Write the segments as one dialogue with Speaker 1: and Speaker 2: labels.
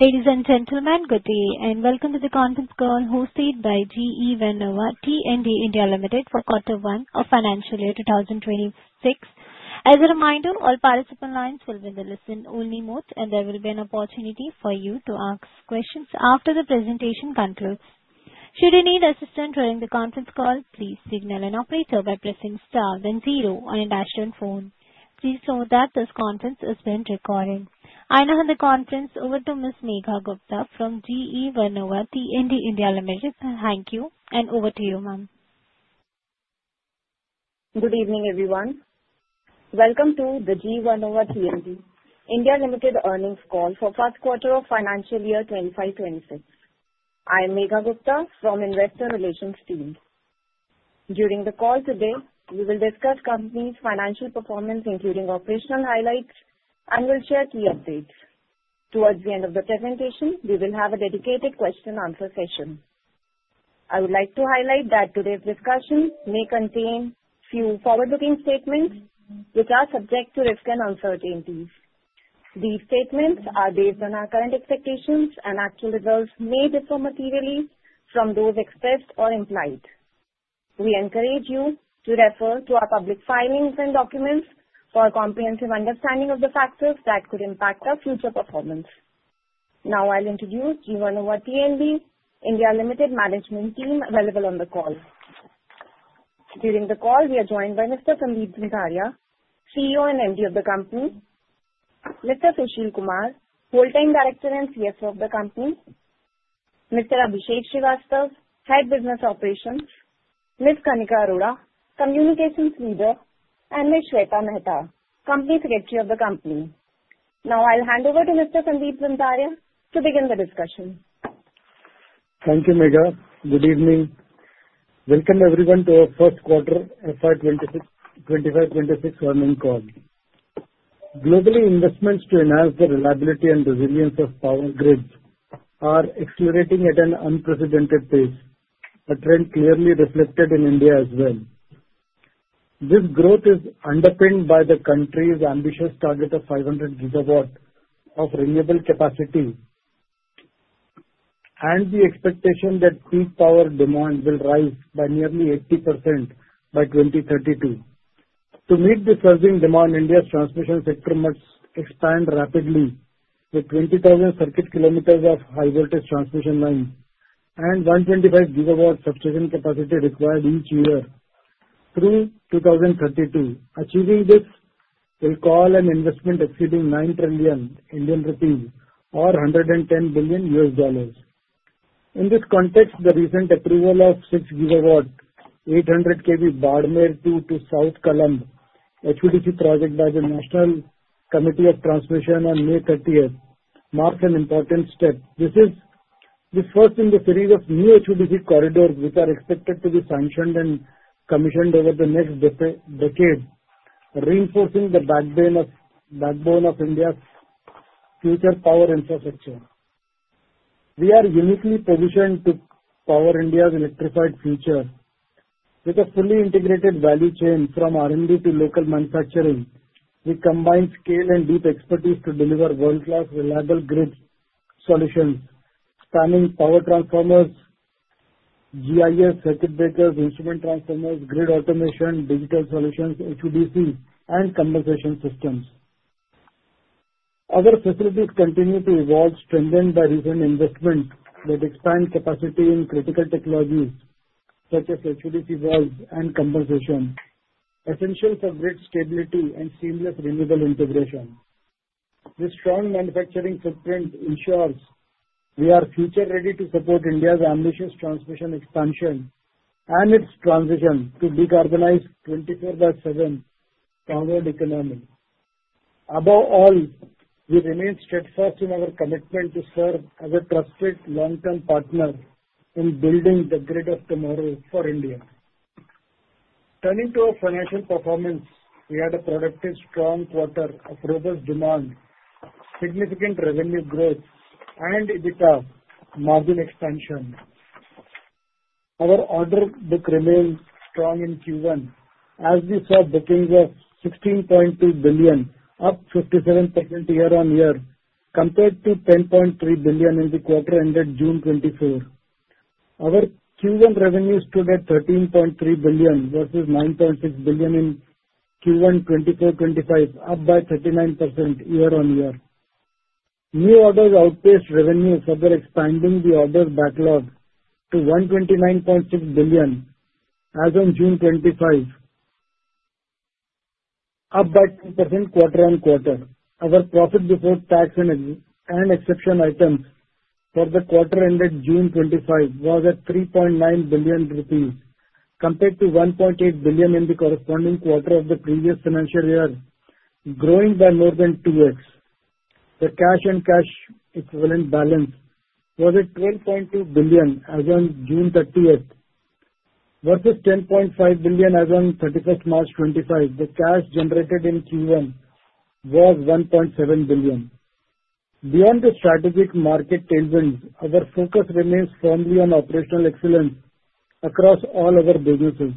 Speaker 1: Ladies and gentlemen, good day and welcome to the conference call hosted by GE Vernova T&D India Ltd. for quarter one of financial year 2026. As a reminder, all participant lines will be in the listen-only mode and there will be an opportunity for you to ask questions after the presentation concludes. Should you need assistance during the conference call, please signal an operator by pressing star then zero on your touchtone phone. Please note that this conference has been recorded. I now hand the conference over to Ms. Megha Gupta from GE Vernova T&D India Ltd. Thank you. And over to you, ma'am.
Speaker 2: Good evening everyone. Welcome to the GE Vernova T&D India Ltd. earnings call for the first quarter of financial year 2025-2026. I am Megha Gupta from the Investor Relations team. During the call today we will discuss the company's financial performance including operational highlights, and we'll share key updates. Towards the end of the presentation we will have a dedicated question and answer session. I would like to highlight that today's discussion may contain a few forward-looking statements which are subject to risks and uncertainties. These statements are based on our current expectations, and actual results may differ materially from those expressed or implied. We encourage you to refer to our public filings and documents for a comprehensive understanding of the factors that could Impact our future performance. Now I'll introduce GE Vernova T&D India Ltd. management team available on the call. During the call we are joined by Mr. Sandeep Zanzaria, CEO and MD of the company, Mr. Sushil Kumar, Full-Time Director and CFO of the company, Mr. Abhishek Srivastava, Head Business Operations, Ms. Kanika Arora, Communications Leader, and Ms. Shweta Mehta, Company Secretary of the company. Now I'll hand over to Mr. Sandeep Zanzaria to begin the discussion.
Speaker 3: Thank you, Megha. Good evening. Welcome everyone to our first quarter FY25-26 earnings call. Globally, investments to enhance the reliability and resilience of power grids are accelerating at an unprecedented pace, a trend clearly reflected in India as well. This growth is underpinned by the country's ambitious target of 500 gigawatt of renewable capacity and the expectation that peak power demand will rise by nearly 80% by 2032. To meet the rising demand, India's transmission must expand rapidly with 20,000 circuit kilometers of high voltage transmission lines and 125 gigawatt substation capacity required each year through 2032. Achieving this will call for an investment exceeding 9 trillion Indian rupees or $110 billion. In this context, the recent approval of 6 gigawatt 800 kV Bhadmer 2 to South Kolayat HVDC project by the National Committee on Transmission on May 30 marks an important step. This is the first in the series of new HVDC corridors which are expected to be sanctioned and commissioned over the next decade, reinforcing the backbone of India's future power infrastructure. We are uniquely positioned to power India's electrified future with a fully integrated value chain. From R&D to local manufacturing, we combine scale and deep expertise to deliver world-class, reliable grid solutions spanning power transformers, GIS, circuit breakers, instrument transformers, grid automation, digital solutions, HVDC, and compensation systems. Our facilities continue to evolve, strengthened by recent investments that expand capacity in critical technologies such as HVDC valves and compensation, essential for grid stability and seamless renewable integration. This strong manufacturing footprint ensures we are future-ready to support India's ambitious transmission expansion and its transition to a decarbonized, 24/7 powered economy. Above all, we remain steadfast in our commitment to serve as a trusted long-term partner in building the grid of tomorrow for India. Turning to our financial performance, we had a productive, strong quarter of robust demand, significant revenue growth, and EBITDA margin expansion. Our order book remains strong in Q1 as we saw bookings of 16.2 billion, up 57% year on year compared to 10.3 billion in the quarter ended June 2024. Our Q1 revenue stood at 13.3 billion versus 9.6 billion in Q1 2024-25, up by 39% year on year. New orders outpaced revenue, further expanding the order backlog to 129.6 billion as on June 2025, up by 2% quarter on quarter. Our profit before tax and exceptional items for the quarter ended June 2025 was at 3.9 billion rupees compared to 1.8 billion in the corresponding quarter of the previous financial year, growing by more than 2x. The cash and cash equivalent balance was at 12.2 billion as on June 30 versus 10.5 billion as on March 31, 2025. The cash generated in Q1 was 1.7 billion. Beyond the strategic market tailwinds, our focus remains firmly on operational excellence across all of our businesses.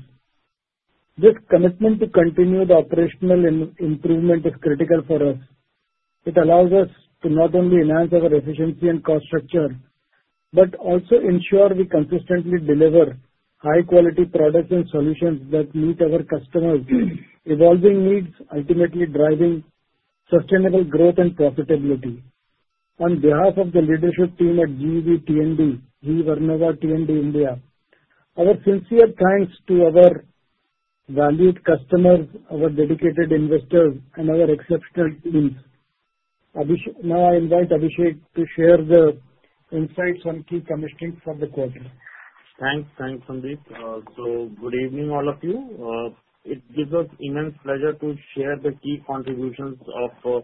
Speaker 3: This commitment to continue the operational improvement is critical for us. It allows us to not only enhance our efficiency and cost structure, but also ensure we consistently deliver high quality products and solutions that meet our customers' evolving needs, ultimately driving sustainable growth and profitability. On behalf of the Leadership Team at GE Vernova T&D India Ltd., our sincere thanks to our valued customers, our dedicated investors, and our exceptional teams. Now I invite Abhishek to share the insights on key chemistry for the quarter.
Speaker 4: Thanks. Thanks Sandeep. Good evening all of you. It gives us immense pleasure to share the key contributions of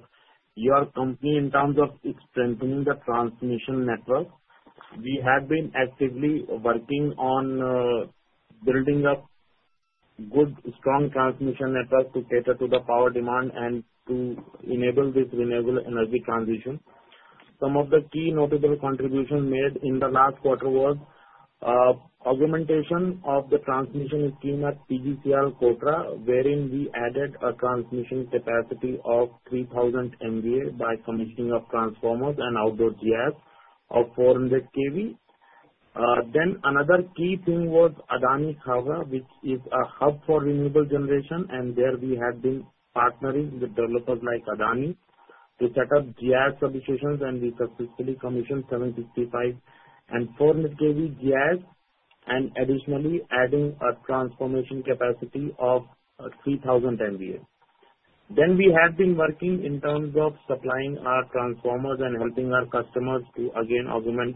Speaker 4: your company in terms of strengthening the transmission network. We have been actively working on building up a good strong transmission network to cater to the power demand and to enable this renewable energy transition. Some of the key notable contributions made in the last quarter were augmentation of the transmission scheme at PGCIL Kota, wherein we added a transmission capacity of 3,000 MVA by commissioning of transformers and outdoor GIS of 400 kV. Another key thing was Adani Khavda, which is a hub for renewable generation, and there we have been partnering with developers like Adani to set up GIS solutions, and we successfully commissioned 765 and 400 kV GIS and additionally added a transformation capacity of 3,000 MVA. We have been working in terms of supplying our transformers and helping our customers to again augment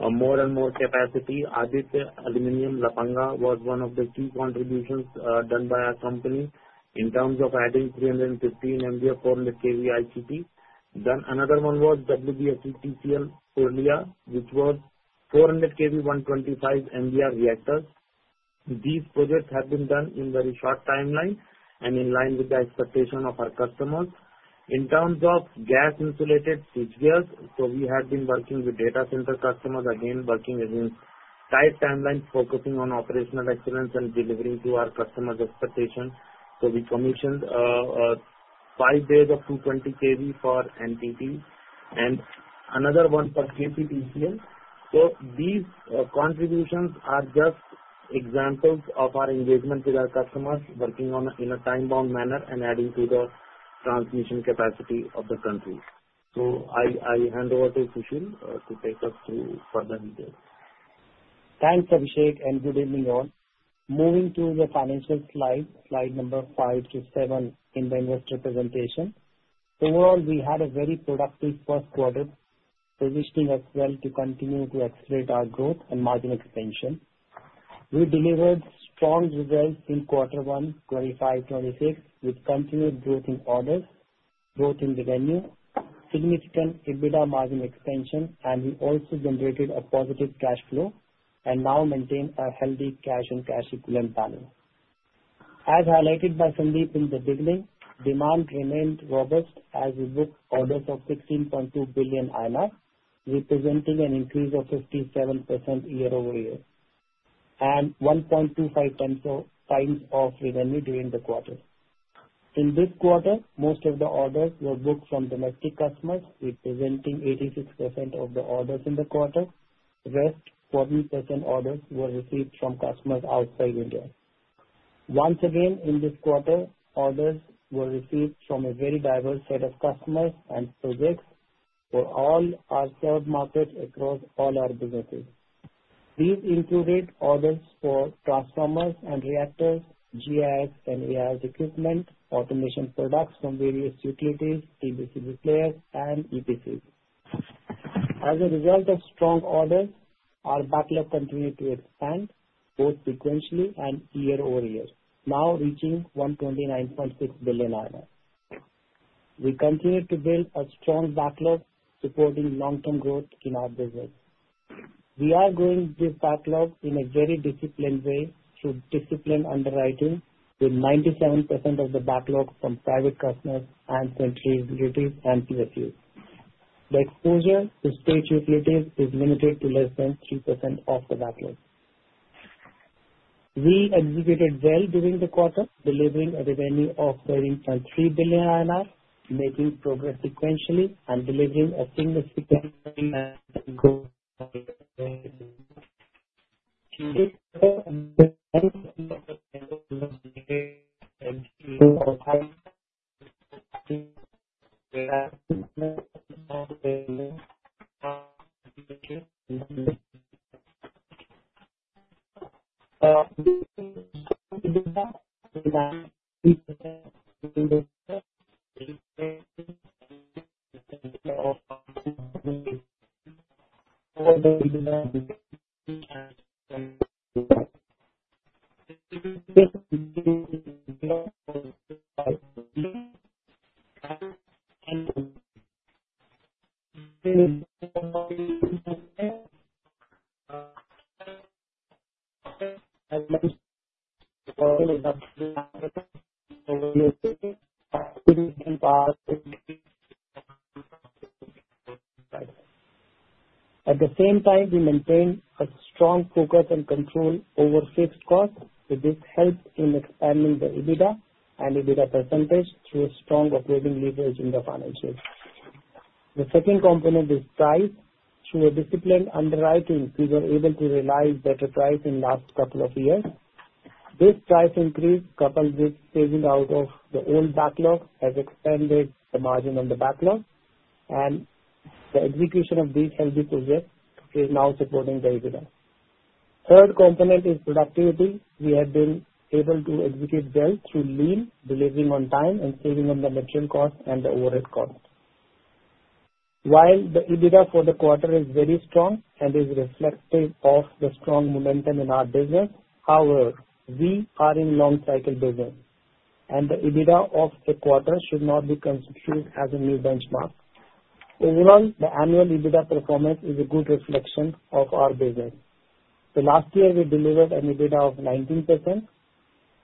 Speaker 4: more and more capacity. ADIT Aluminum Lapanga was one of the key contributions done by our company in terms of adding 315 MVA 400 kV ICT. Another one was WBSETCL earlier, which was 400 kV 125 MVAR reactors. These projects have been done in a very short timeline and in line with the expectation of our customers in terms of GIS-insulated GIS. We have been working with data center customers, again working within tight timelines, focusing on operational excellence, and delivering to our customers' expectation. We commissioned five bays of 220kV for NTT and another one for KPTCL. These contributions are just examples of our engagement with our customers, working in a time-bound manner and adding to the transmission capacity of the country. I hand over to Sushil to take us through further details. Thanks Abhishek and good evening all. Moving to the financial slide, slide number 5 to 7 in the investor presentation. Overall, we had a very productive first quarter positioning us well to continue to accelerate our growth and margin expansion. We delivered strong results in Quarter 1 2025-26 with continued growth in orders both in the venue, significant EBITDA margin expansion, and we also generated a positive cash flow and now maintain a healthy cash and cash equivalent panel as highlighted by Sandeep. In the beginning, demand remained robust as we booked orders of 16.2 billion INR representing an increase of 57% year over year and 1.25 times of revenue during the quarter. In this quarter, most of the orders were booked from domestic customers representing 86% of the orders in the quarter. The rest 14% of orders were received from customers outside India. Once again in this quarter, orders were received from a very diverse set of customers and projects for all our served market across all our businesses. These included orders for transformers and reactors, GIS and AAS equipment, automation products from various utilities, TBCB players, and EPCs. As a result of strong orders, our backlog continued to expand both sequentially and year over year, now reaching 129.6 billion. We continue to build a strong backlog supporting long-term growth in our business. We are growing this backlog in a very disciplined way through disciplined underwriting. With 97% of the backlog from private customers and central utilities and PSUs, the exposure to state utilities is limited to less than 3% of the backlog. We executed well during the quarter, delivering a revenue of 13.3 billion INR, making progress sequentially and delivering a significant result. At the same time, we maintain a strong focus and control over fixed costs. This helps in expanding the EBITDA and EBITDA percentage through a strong operating leverage in the financials. The second component is price. Through disciplined underwriting, we were able to realize better price in the last couple of years. This price increase, coupled with phasing out of the old backlog, has expanded the margin on the backlog, and the execution of these healthy projects is now supporting the EBITDA. Third component is productivity. We have been able to execute well through lean, delivering on time and saving on the material cost and the overhead cost. While the EBITDA for the quarter is very strong and is reflective of the strong momentum in our business, we are in long cycle business, and the EBITDA of the quarter should not be construed as a new benchmark. Overall, the annual EBITDA performance is a good reflection of our business. Last year, we delivered an EBITDA of 19%.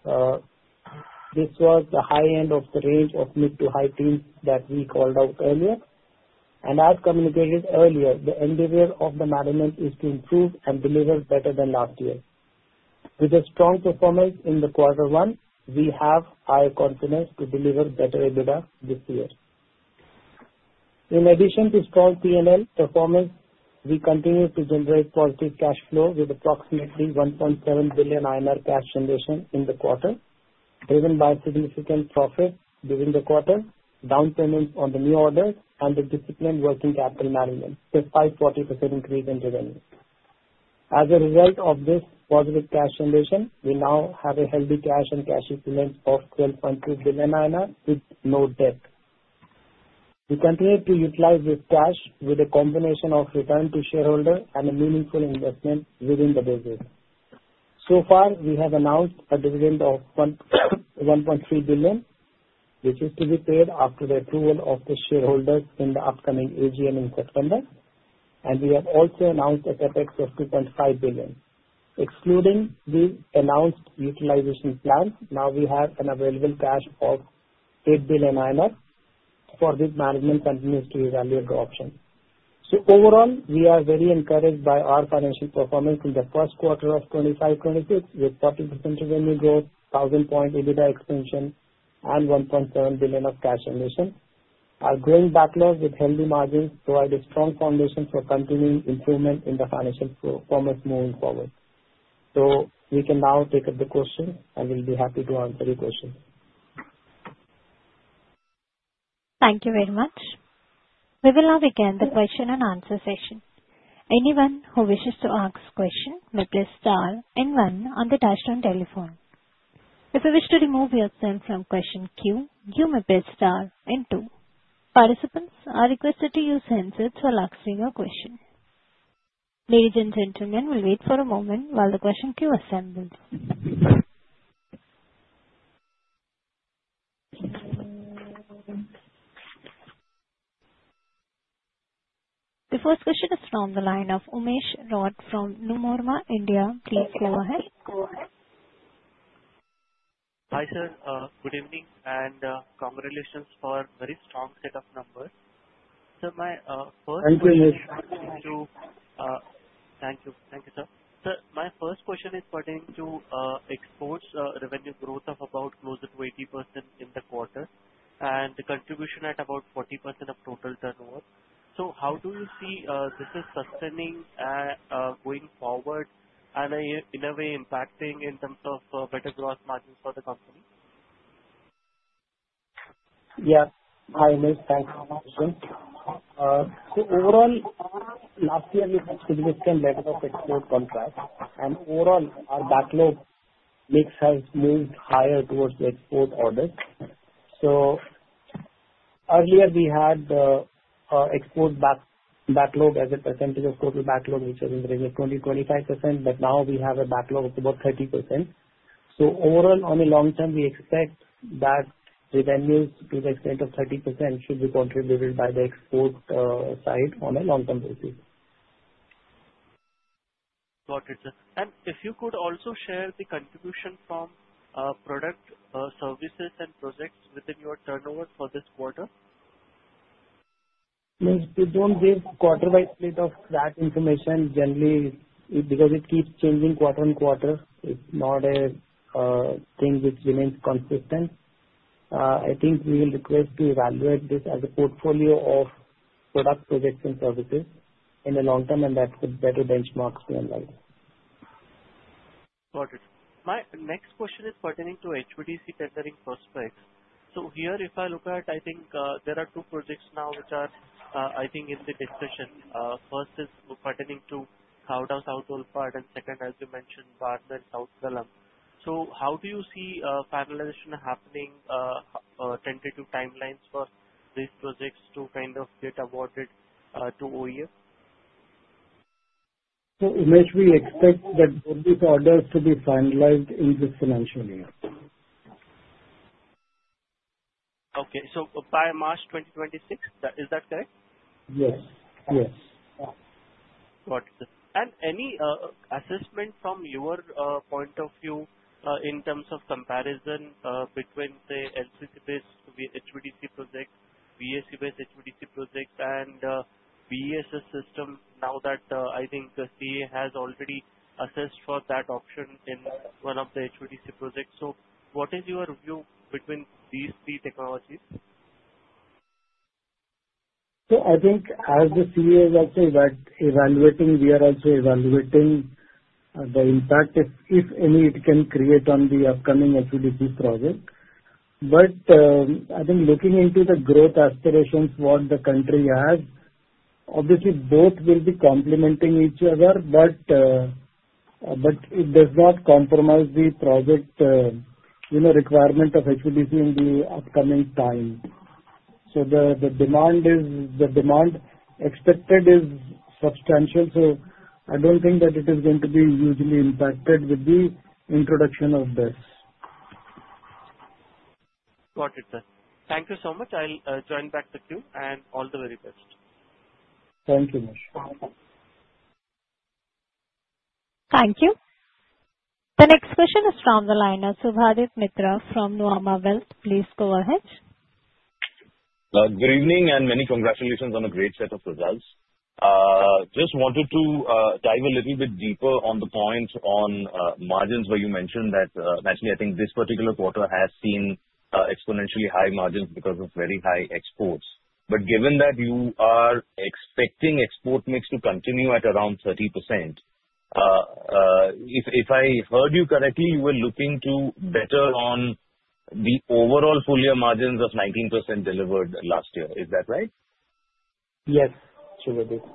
Speaker 4: This was the high end of the range of mid to high teens that we called out earlier, and as communicated earlier, the endeavor of the management is to improve and deliver better than last year with a strong performance in the quarter. We have high confidence to deliver better EBITDA this year. In addition to strong P&L performance, we continue to generate positive cash flow with approximately 1.7 billion INR cash generation in the quarter, driven by significant profit during the quarter, down payments on the new orders, and the disciplined working capital management. Despite 40% increase in revenue, as a result of this positive cash generation, we now have a healthy cash and cash equivalent of INR 12.2 billion with no debt. We continue to utilize this cash with a combination of return to shareholder and a meaningful investment within the business. We have announced a dividend of 1.3 billion, which is to be paid after the approval of the shareholders in the upcoming AGM in September. We have also announced a capex of 2.5 billion, excluding the announced utilization plan. Now we have an available cash of 8 billion for this. Management continues to evaluate the option. Overall, we are very encouraged by our financial performance in 1Q25-26 with 40% revenue growth, 1000 point EBITDA expansion, and 1.7 billion of cash generation. Our growing backlog with healthy margins provides a strong foundation for continuing improvement in the financial performance moving forward. We can now take up the question and we'll be happy to answer your questions.
Speaker 1: Thank you very much. We will now begin the question and answer session. Anyone who wishes to ask a question may press star and 1 on the touchtone telephone. If you wish to remove yourself from the question queue, you may press star and 2. Participants are requested to use handsets while asking your question. Ladies and gentlemen, we will wait for a moment while the question queue assembles. The first question is from the line of Umesh Raut from Nomura India. Please go ahead.
Speaker 5: Hi sir. Good evening and congratulations for very strong set of numbers. Sir, my first. Thank you. Thank you sir. My first question is pertaining to exports revenue growth of about close closer to 80% in the quarter and the contribution at about 40% of total turnover. How do you see this is sustaining going forward and in a way impacting in terms of better gross margins for the company?
Speaker 4: Yeah. Hi, Umesh. Thanks. Overall, last year we had significant level of export contracts and overall our backlog mix has moved higher towards the export orders. Earlier we had export backlog as a percentage of total backlog which was in the range of 20-25%. Now we have a backlog of about 30%. Overall, on the long term, we expect that revenues to the extent of 30% should be contributed by the export side on a long term basis.
Speaker 5: Got it sir. If you could also share the contribution from product, services, and projects within your turnover for this quarter.
Speaker 4: Don't give quarter by split of that information generally because it keeps changing quarter on quarter. It's not a thing which remains consistent. I think we will request to evaluate this as a portfolio of product in the long term and that with better benchmarks to analyze.
Speaker 5: Got it. My next question is pertaining to HVDC tendering prospects. If I look at, I think there are two projects now which are I think in the discussion. First is pertaining to Gouda, South Olfad and second, as you mentioned, Barn and South Dalam. How do you see finalization happening? Tentative timelines for these projects to kind of get awarded to OE.
Speaker 3: Umesh, we expect that these orders to be finalized in this financial year.
Speaker 5: Okay. By March 2026, is that correct?
Speaker 3: Yes, yes.
Speaker 5: Any assessment from your point of view in terms of comparison between the LCC based HVDC project, VSC based HVDC projects, and BESS system? Now that I think CA has already assessed for that option in one of the HVDC projects. What is your view between these three technologies?
Speaker 4: As the cause, evaluating, we are also evaluating the impact if any it can create on the upcoming HVDC project. Looking into the growth aspirations, what the country has, obviously both will be complementing each other, but it does not compromise the project, you know, requirement of HVDC in the upcoming time. The demand expected is substantial. I don't think that it is going to be hugely impacted with the introduction of this.
Speaker 5: Got it sir. Thank you so much. I'll join back the queue and all the very best. Thank you.
Speaker 1: Thank you. The next question is from the line of Subhadip Mitra from Nuvama Wealth. Please go ahead.
Speaker 6: Good evening and many congratulations on a great set of results. Just wanted to dive a little bit deeper on the point on margins where you mentioned that naturally I think this particular quarter has seen exponentially high margins because of very high exports. Given that you are expecting export mix to continue at around 30%, if I heard you correctly, you were looking to better on the overall full year margins of 19% delivered last year, is that right? Yes. Perfect.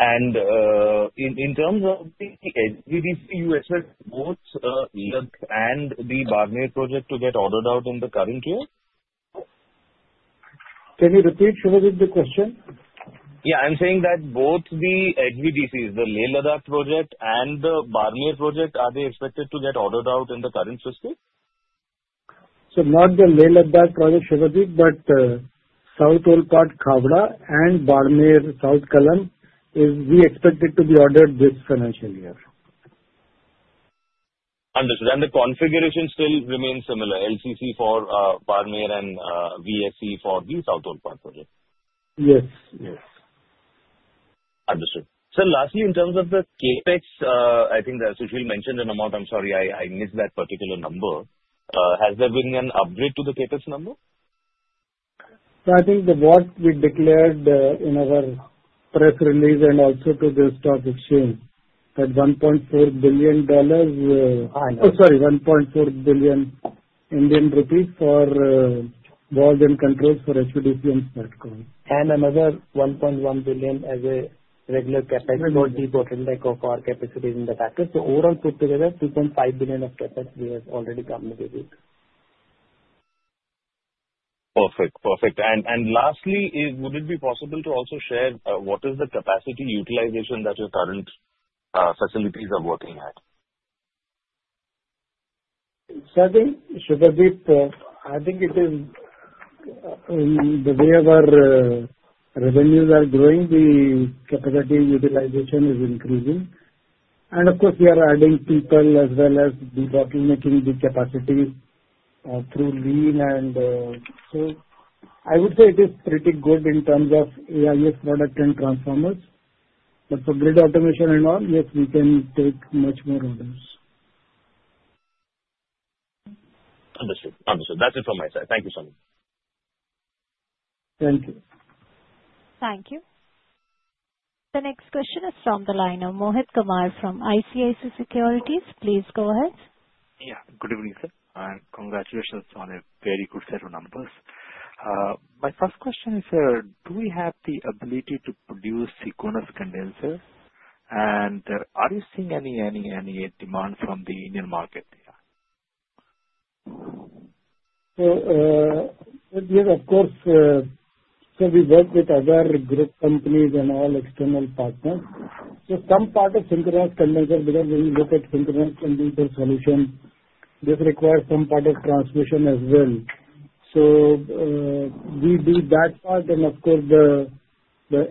Speaker 6: In terms of the USF both and the Barmer project to get ordered out in the current year.
Speaker 4: Can you repeat the question?
Speaker 6: Yeah, I'm saying that both the HVDCs, the Leh Ladakh project and the Barmer project, are they expected to get ordered out in the current fiscal year?
Speaker 4: Not the Leh Ladakh project, Shivadi, but South Alot Kavra and Barmer South Kalan is. We expect it to be ordered this financial year.
Speaker 6: Understood. The configuration still remains similar. LCC for Barmer and VSC for the South Alot part project.
Speaker 4: Yes, yes.
Speaker 6: Understood sir. Lastly, in terms of the CapEx, I think Sushil mentioned an amount, I'm sorry I missed that particular number. Has there been an upgrade to the CapEx number?
Speaker 4: I think what we declared in our press release and also to the stock exchange is INR 1.4 billion for walls and controls for HVDC and Smartcom and another 1.1 billion as a regular capacity of our capacities in the packet. Overall, put together 2.5 billion of capacity has already come.
Speaker 6: Perfect, perfect. Lastly, would it be possible to also share what is the capacity utilization that your current facilities are working at?
Speaker 4: I think it is the way our revenues are growing, the capacity utilization is increasing and of course we are adding people as well as documenting the capacity through lean. I would say it is pretty good in terms of GIS product and transformers. For grid automation and all, yes, we can take much more orders.
Speaker 6: Understood, understood. That's it from my side. Thank you so much. Thank you.
Speaker 1: Thank you. The next question is from the line of Mohit Kumar from ICICI Securities. Please go ahead.
Speaker 7: Yeah. Good evening, sir, and congratulations on a very good set of numbers. My first question is do we have the ability to produce Synchronous Condenser and are you seeing any demand from the Indian market?
Speaker 4: Yes, of course. We work with other group companies and all external partners. Some part of synchronous condenser, because when you look at synchronous condenser solutions, this requires some part of transmission as well. We do that part. The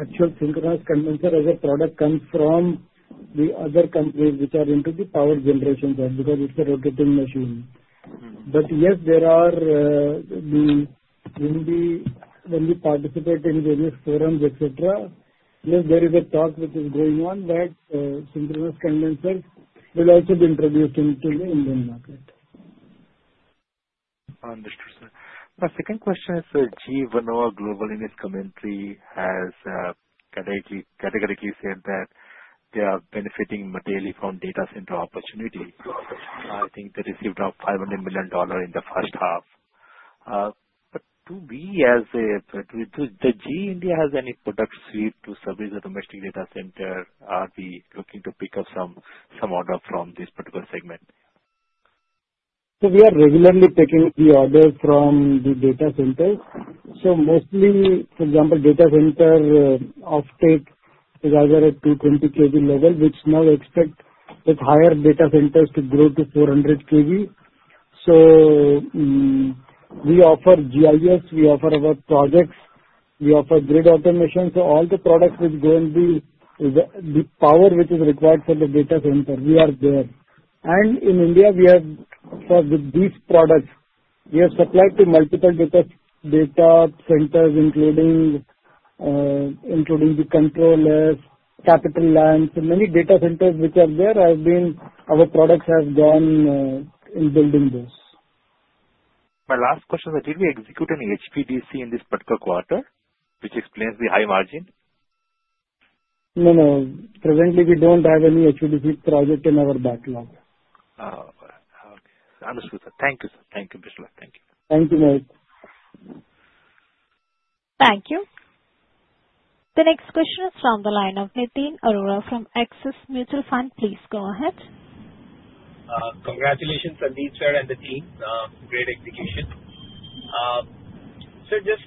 Speaker 4: actual synchronous condenser as a product comes from the other companies which are into the power generation side because it's a rotating machine. Yes, when we participate in various forums, etc., there is a talk which is going on that synchronous condensers will also be introduced into the Indian market. Understood, sir.
Speaker 7: My second question is GE Vernova Global in its commentary has categorically said that they are benefiting materially from data center opportunity. I think they received up to $500 million in the first. To be as a GE, India, has any product suite to service the domestic data center? Are we looking to pick up some order from this particular segment?
Speaker 4: We are regularly taking the order from the data centers. Mostly, for example, data center offtake rather at 220 kV level, which now, with higher data centers, is expected to grow to 400 kV. We offer GIS, we offer our projects, we offer grid automation. All the products, the power which is required for the data center, we are there, and in India we have these products. We have supplied to multiple data centers, including the controllers, CapitaLand's many data centers which are there have been our products, have gone in building this. My last question, did we execute any HVDC in this particular quarter which explains the high margin? No, no. Presently, we don't have any HVDC project in our backlog.
Speaker 7: Understood, sir. Thank you, sir. Thank you. Best luck. Thank you.
Speaker 4: Thank you.
Speaker 1: Thank you. The next question is from the line of Nitin Arora from Axis Mutual Fund. Please go ahead.
Speaker 8: Congratulations Sandeep sir and the team. Great execution sir. Just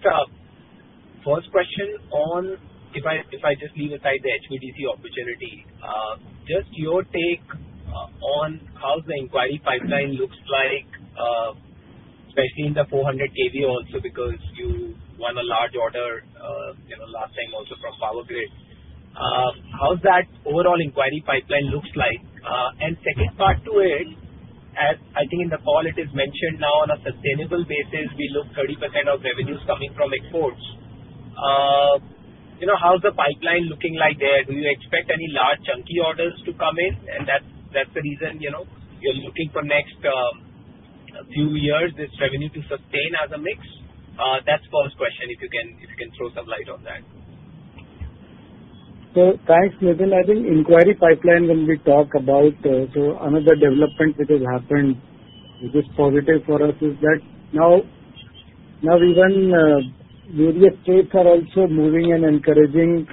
Speaker 8: first question, if I just leave aside the HVDC opportunity, just your take on how the inquiry pipeline looks like, especially in the 400kV also, because you won a large order last time also from Power Grid. How's that overall inquiry pipeline look like? Second part to it, I think in the call it is mentioned now on a sustainable basis we look at 30% of revenues coming from exports. How's the pipeline looking like there? Do you expect any large chunky orders to come in and that's the reason you're looking for next few years this revenue to sustain as a mix. That's Paul's question if you can throw some light on that.
Speaker 4: Thanks Nitin. I think inquiry pipeline, when we talk about, another development which has happened which is positive for us is that now even various states are also moving and encouraging,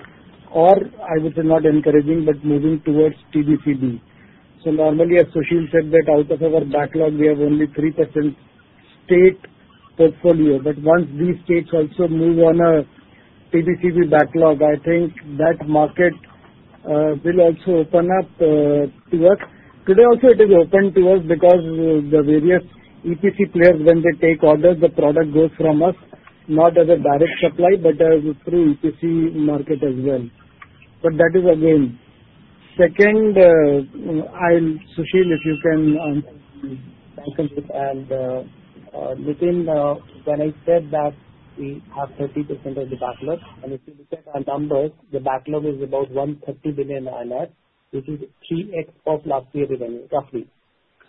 Speaker 4: or I would say not encouraging but moving towards TBCB. Normally, as Sushil said, out of a, we have only 3% state portfolio, but once these states also move on a PBCB backlog, I think that market will also open up to us. Today also it is open to us because the various EPC players, when they take orders, the product goes from us not as a direct supply but through EPC market as well. That is again second.
Speaker 9: Nitin, when I said that we have 30% of the backlog, and if you look at our numbers, the backlog is about INR 130 billion, which is 3x of last year revenue roughly,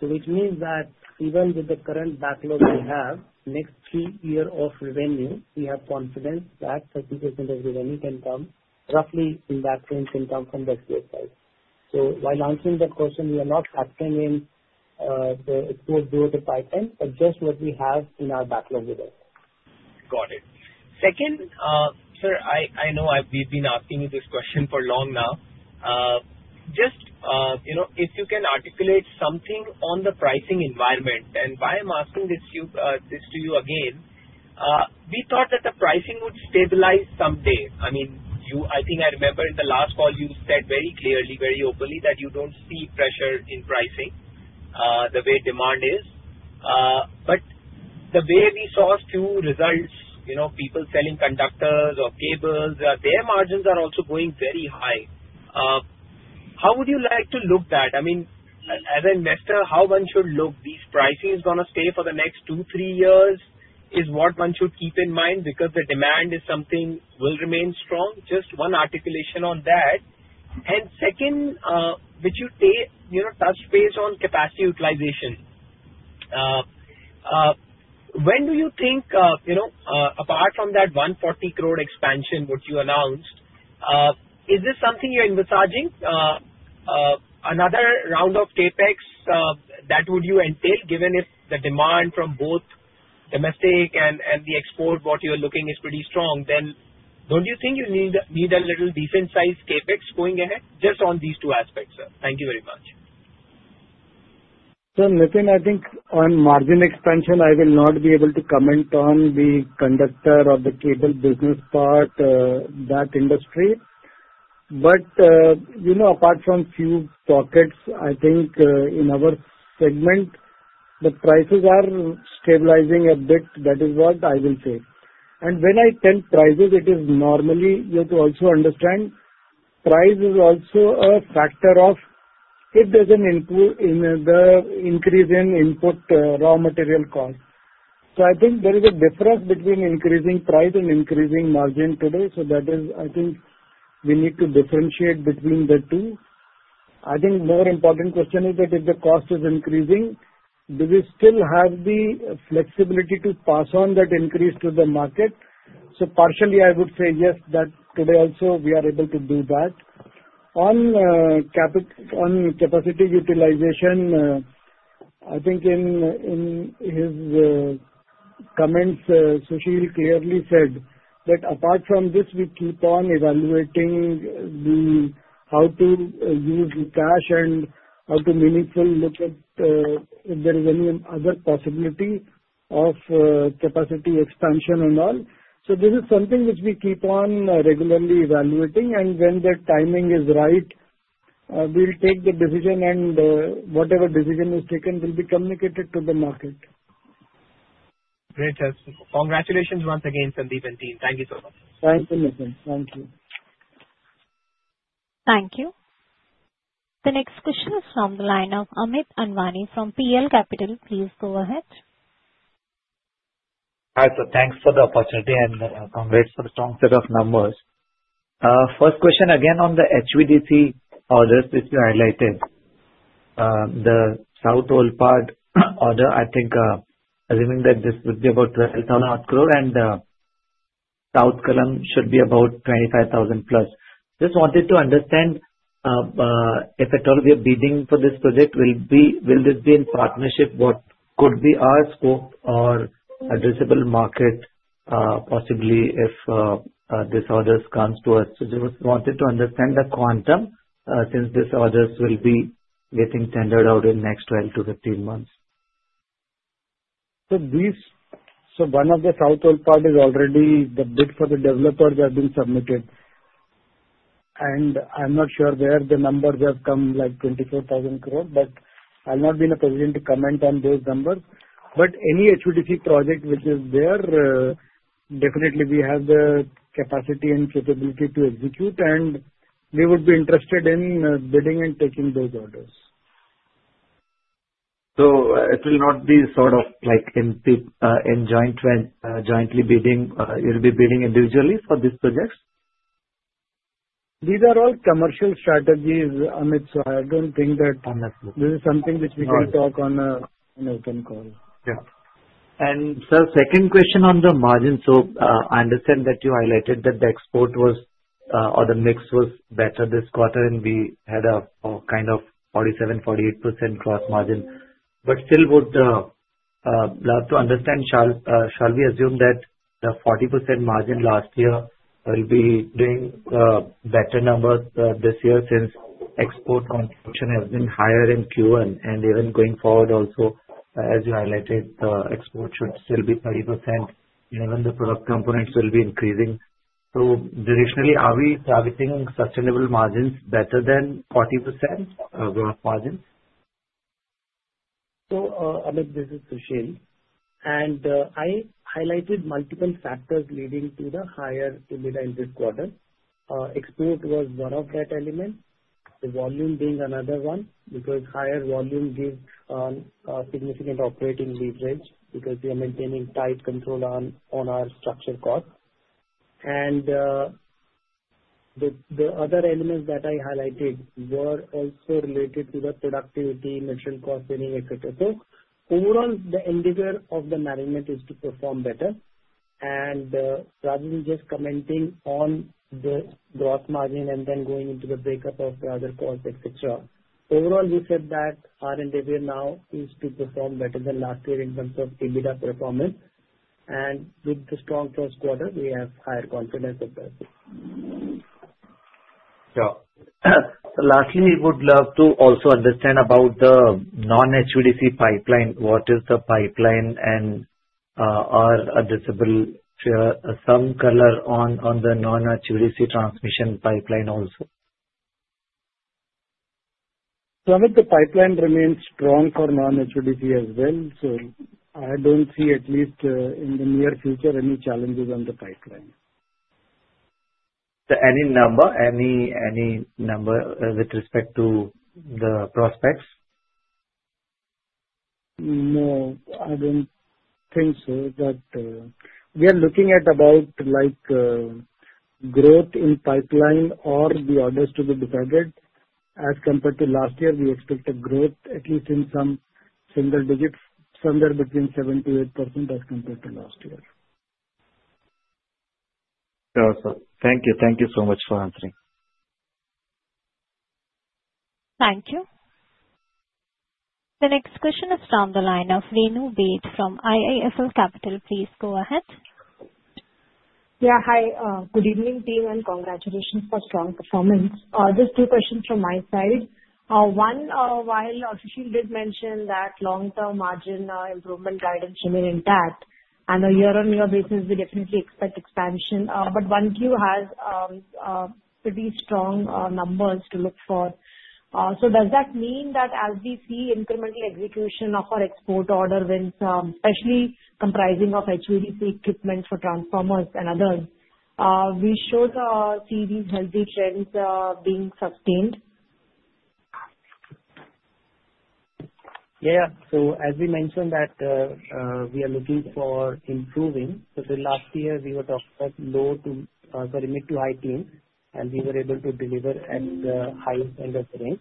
Speaker 9: which means that even with the current backlog we have next three years of revenue. We have confidence that 30% of revenue can come roughly in that range, income from the export side. While answering that question, we are not factoring in the exported pipeline but just what we have in our backlog with us.
Speaker 8: Got it. Second sir, I know we've been asking you this question for long now. Just if you can articulate something on the pricing environment and why I'm asking this to you again, we thought that the pricing would stabilize someday. I mean, I think I remember in the last call you said very clearly, very openly that you don't see pressure in pricing the way demand is. The way we saw two results, you know, people selling conductors or cables, their margins are also going very high. How would you like to look at that, I mean as an investor how one should look. These pricing is going to stay for the next two, three years is what one should keep in mind because the demand is something will remain strong. Just one articulation on that and second which you touch base on capacity utilization. When do you think, apart from that 140 crore expansion which you announced, is this something you're envisaging, another round of capex that would you entail? Given if the demand from both domestic and the export, what you're looking is pretty strong, then don't you think you need a little decent size capex going ahead? Just on these two aspects sir, thank you very much.
Speaker 4: So Nitin, I think on margin expansion I will not be able to comment on the conductor or the cable business part, that industry. Apart from a few pockets, I think in our segment the prices are stabilizing a bit. That is what I will say, and when I tell prices, it is normally you have to also understand price is also a factor of if there's an increase in input raw material cost. I think there is a difference between increasing price and increasing margin today. That is, I think, we need to differentiate between the two. I think the more important question is that if the cost is increasing, do we still have the flexibility to pass on that increase to the market? Partially, I would say yes, that today also we are able to do that. On capacity utilization, I think in his comments Sushil clearly said that apart from this, we keep on evaluating how to use cash and how to meaningfully look at if there is any other possibility of capacity expansion and all. This is something which we keep on regularly evaluating, and when the timing is right, we'll take the decision and whatever decision is taken will be communicated to the market. Great.
Speaker 8: Congratulations once again Sandeep and team. Thank you so much. Thank you. Thank you.
Speaker 1: Thank you. The next question is from the line of Amit Anwani from PL Capital. Please go ahead.
Speaker 10: Hi sir. Thanks for the opportunity and congrats for the strong set of numbers. First question again on the HVDC orders is related to the South OL Pad order. I think assuming that this would be about 12,000 crore and South Kalam should be about 25,000 plus. Just wanted to understand if at all we are bidding for this project, will this be in partnership? What could be our scope or addressable market possibly if these orders come to us? They wanted to understand the quantum since these orders will be getting tendered out in next 12 to 15 months.
Speaker 3: One of the south part is already, the bid for the developers has been submitted and I'm not sure where the numbers have come like 24,000 crore, but I'll not be in a position to comment on those numbers. Any HVDC project which is there, definitely we have the capacity and capability to execute and we would be interested in bidding and taking those orders. It will not be sort of like jointly bidding. We'll be bidding individually for these projects. These are all commercial strategies, Amit. I don't think that this is something which we can talk on an open call.
Speaker 10: Yeah, and sir, second question on the margin. I understand that you highlighted that the export was, or the mix was better this quarter and we had a kind of 47, 48% gross margin, but still would love to understand, shall we assume that the 40% margin last year will be doing better numbers this year since export consumption has been higher in Q1 and even going forward also as you highlighted the export should still be 30% and even the product components will be increasing. Directionally, are we targeting sustainable margins better than 40% gross margins?
Speaker 9: Amit, this is Sushil and I highlighted multiple factors leading to the higher EBITDA in this quarter. Export was one of that element, the volume being another one because higher volume gives significant operating leverage because we are maintaining tight control on our structure cost and the other elements that I highlighted were also related to the productivity, material cost saving, etc. Overall, the endeavor of the management is to perform better and rather than just commenting on the gross margin and then going into the breakup of other costs, etc. Overall, we said that our endeavor now is to perform better than last year in terms of EBITDA performance and with the strong first quarter we have higher confidence of.
Speaker 10: Lastly, we would love to also understand about the non-HVDC pipeline. What is the pipeline and are addressable, some color on the non-HVDC transmission pipeline. Also, Pramit, the pipeline remains strong for non-HVDC as well. I don't see at least in the near future any challenges on the pipeline. Any number? Any number with respect to the prospects?
Speaker 4: No, I don't think so. We are looking at about growth in pipeline or the orders to be divided as compared to last year. We expect a growth at least in some single digits, somewhere between 7 to 8% as compared to last year.
Speaker 10: Awesome. Thank you. Thank you so much for answering.
Speaker 1: Thank you. The next question is from the line of Renu Baid from IIFL Capital. Please go ahead.
Speaker 11: Yeah. Hi, good evening team and congratulations for strong performance. Just two questions from my side. One, while you did mention that long term margin improvement guidance remains intact, on a year on year basis we definitely expect expansion. 1Q has pretty strong numbers to look for. Does that mean that as we see incremental execution of our export order wins, especially comprising of HVDC equipment for transformers and others, we should see these healthy trends being sustained?
Speaker 4: Yeah. As we mentioned, we are looking for improving. Last year we were talking about mid to high teens and we were able to deliver at the highest end of the range.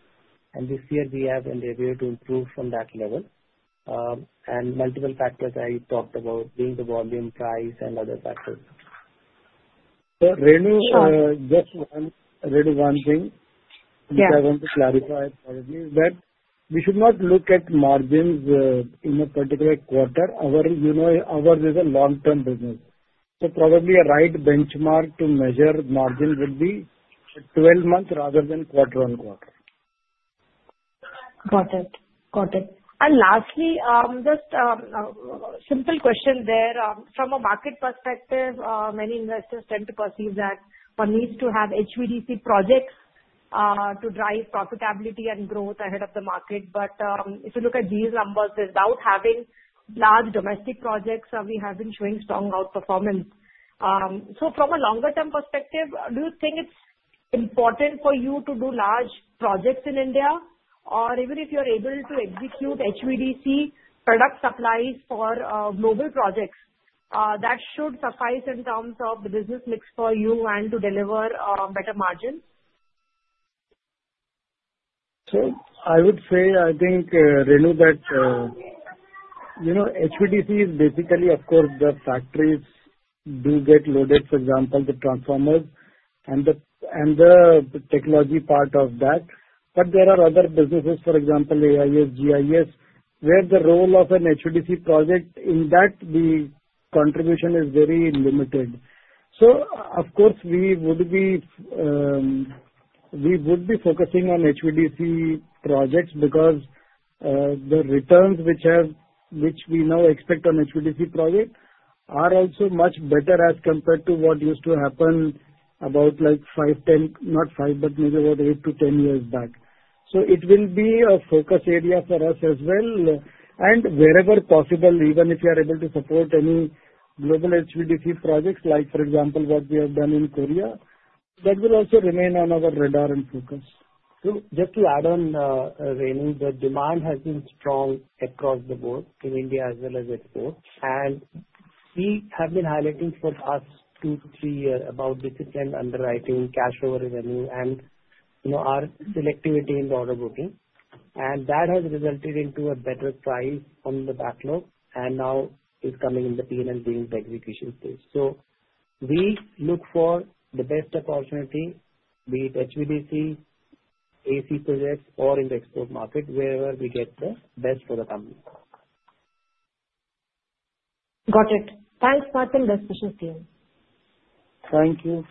Speaker 4: This year we have endeavor to improve from that level and multiple factors I talked about being the volume, price, and other factors. Just one thing which I want to clarify is that we should not look at margins in a particular quarter. Ours is a long-term business, so probably a right benchmark to measure margin would be 12 months rather than quarter on quarter.
Speaker 11: Got it, got it. Lastly, just a simple question there. From a market perspective, many investors tend to perceive that one needs to have HVDC projects to drive profitability and growth ahead of the market. If you look at these numbers, without having large domestic projects, we have been showing strong outperformance. From a longer term perspective, do you think it's important for you to do large projects in India, or even if you're able to execute HVDC product supplies for global projects, that should suffice in terms of the business mix for you and to deliver better margins.
Speaker 4: I would say I think, Renu, that you know HVDC is basically, of course, the factories do get loaded, for example, the transformers and the technology part of that. There are other businesses, for example, AIS, GIS, where the role of an HVDC project in that, the contribution is very limited. Of course, we would be focusing on HVDC projects because the returns which we now expect on HVDC projects are also much better as compared to what used to happen about, like, eight to ten years back. It will be a focus area for us as well. Wherever possible, even if we are able to support any global HVDC projects, like, for example, what we have done in Korea, that will also remain on our radar and focus. Just to add on, Renu, the demand has been strong across the board in India as well as exports. We have been highlighting for the past two, three years about disciplined underwriting, cash over revenue, and our selectivity in order booking. That has resulted into a better price on the backlog and now is coming in the P&L and execution stage. We look for the best opportunity, be it HVDC, AC projects, or in the export market, wherever we get the best for the company.
Speaker 2: Got it. Thanks Martin.Best wishes to you.
Speaker 3: Thank you.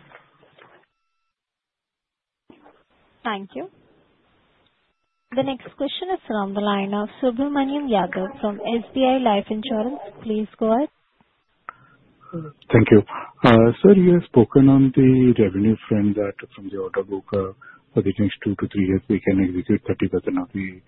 Speaker 1: Thank you. The next question is from the line of Subramanyam Yadav from SBI Life Insurance. Please go ahead.
Speaker 12: Thank you. Sir, you have spoken on the revenue trend that from the order book for the next two to three years we can execute 30% of the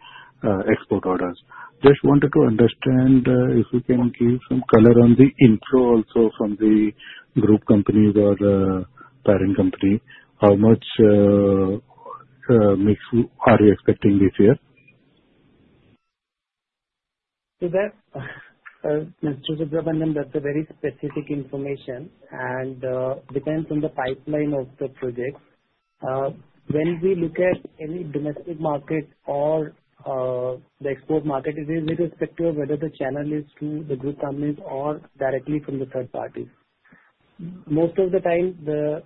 Speaker 12: export orders. Just wanted to understand if you can give some color on the inflow also from the group companies or parent company, how much mix are you expecting this year?
Speaker 3: Mr. Subramanyam, that's very specific information and depends on the pipeline of the projects. When we look at any domestic market or the export market it is irrespective of whether the channel is to the group companies or directly from the third parties. Most of the time the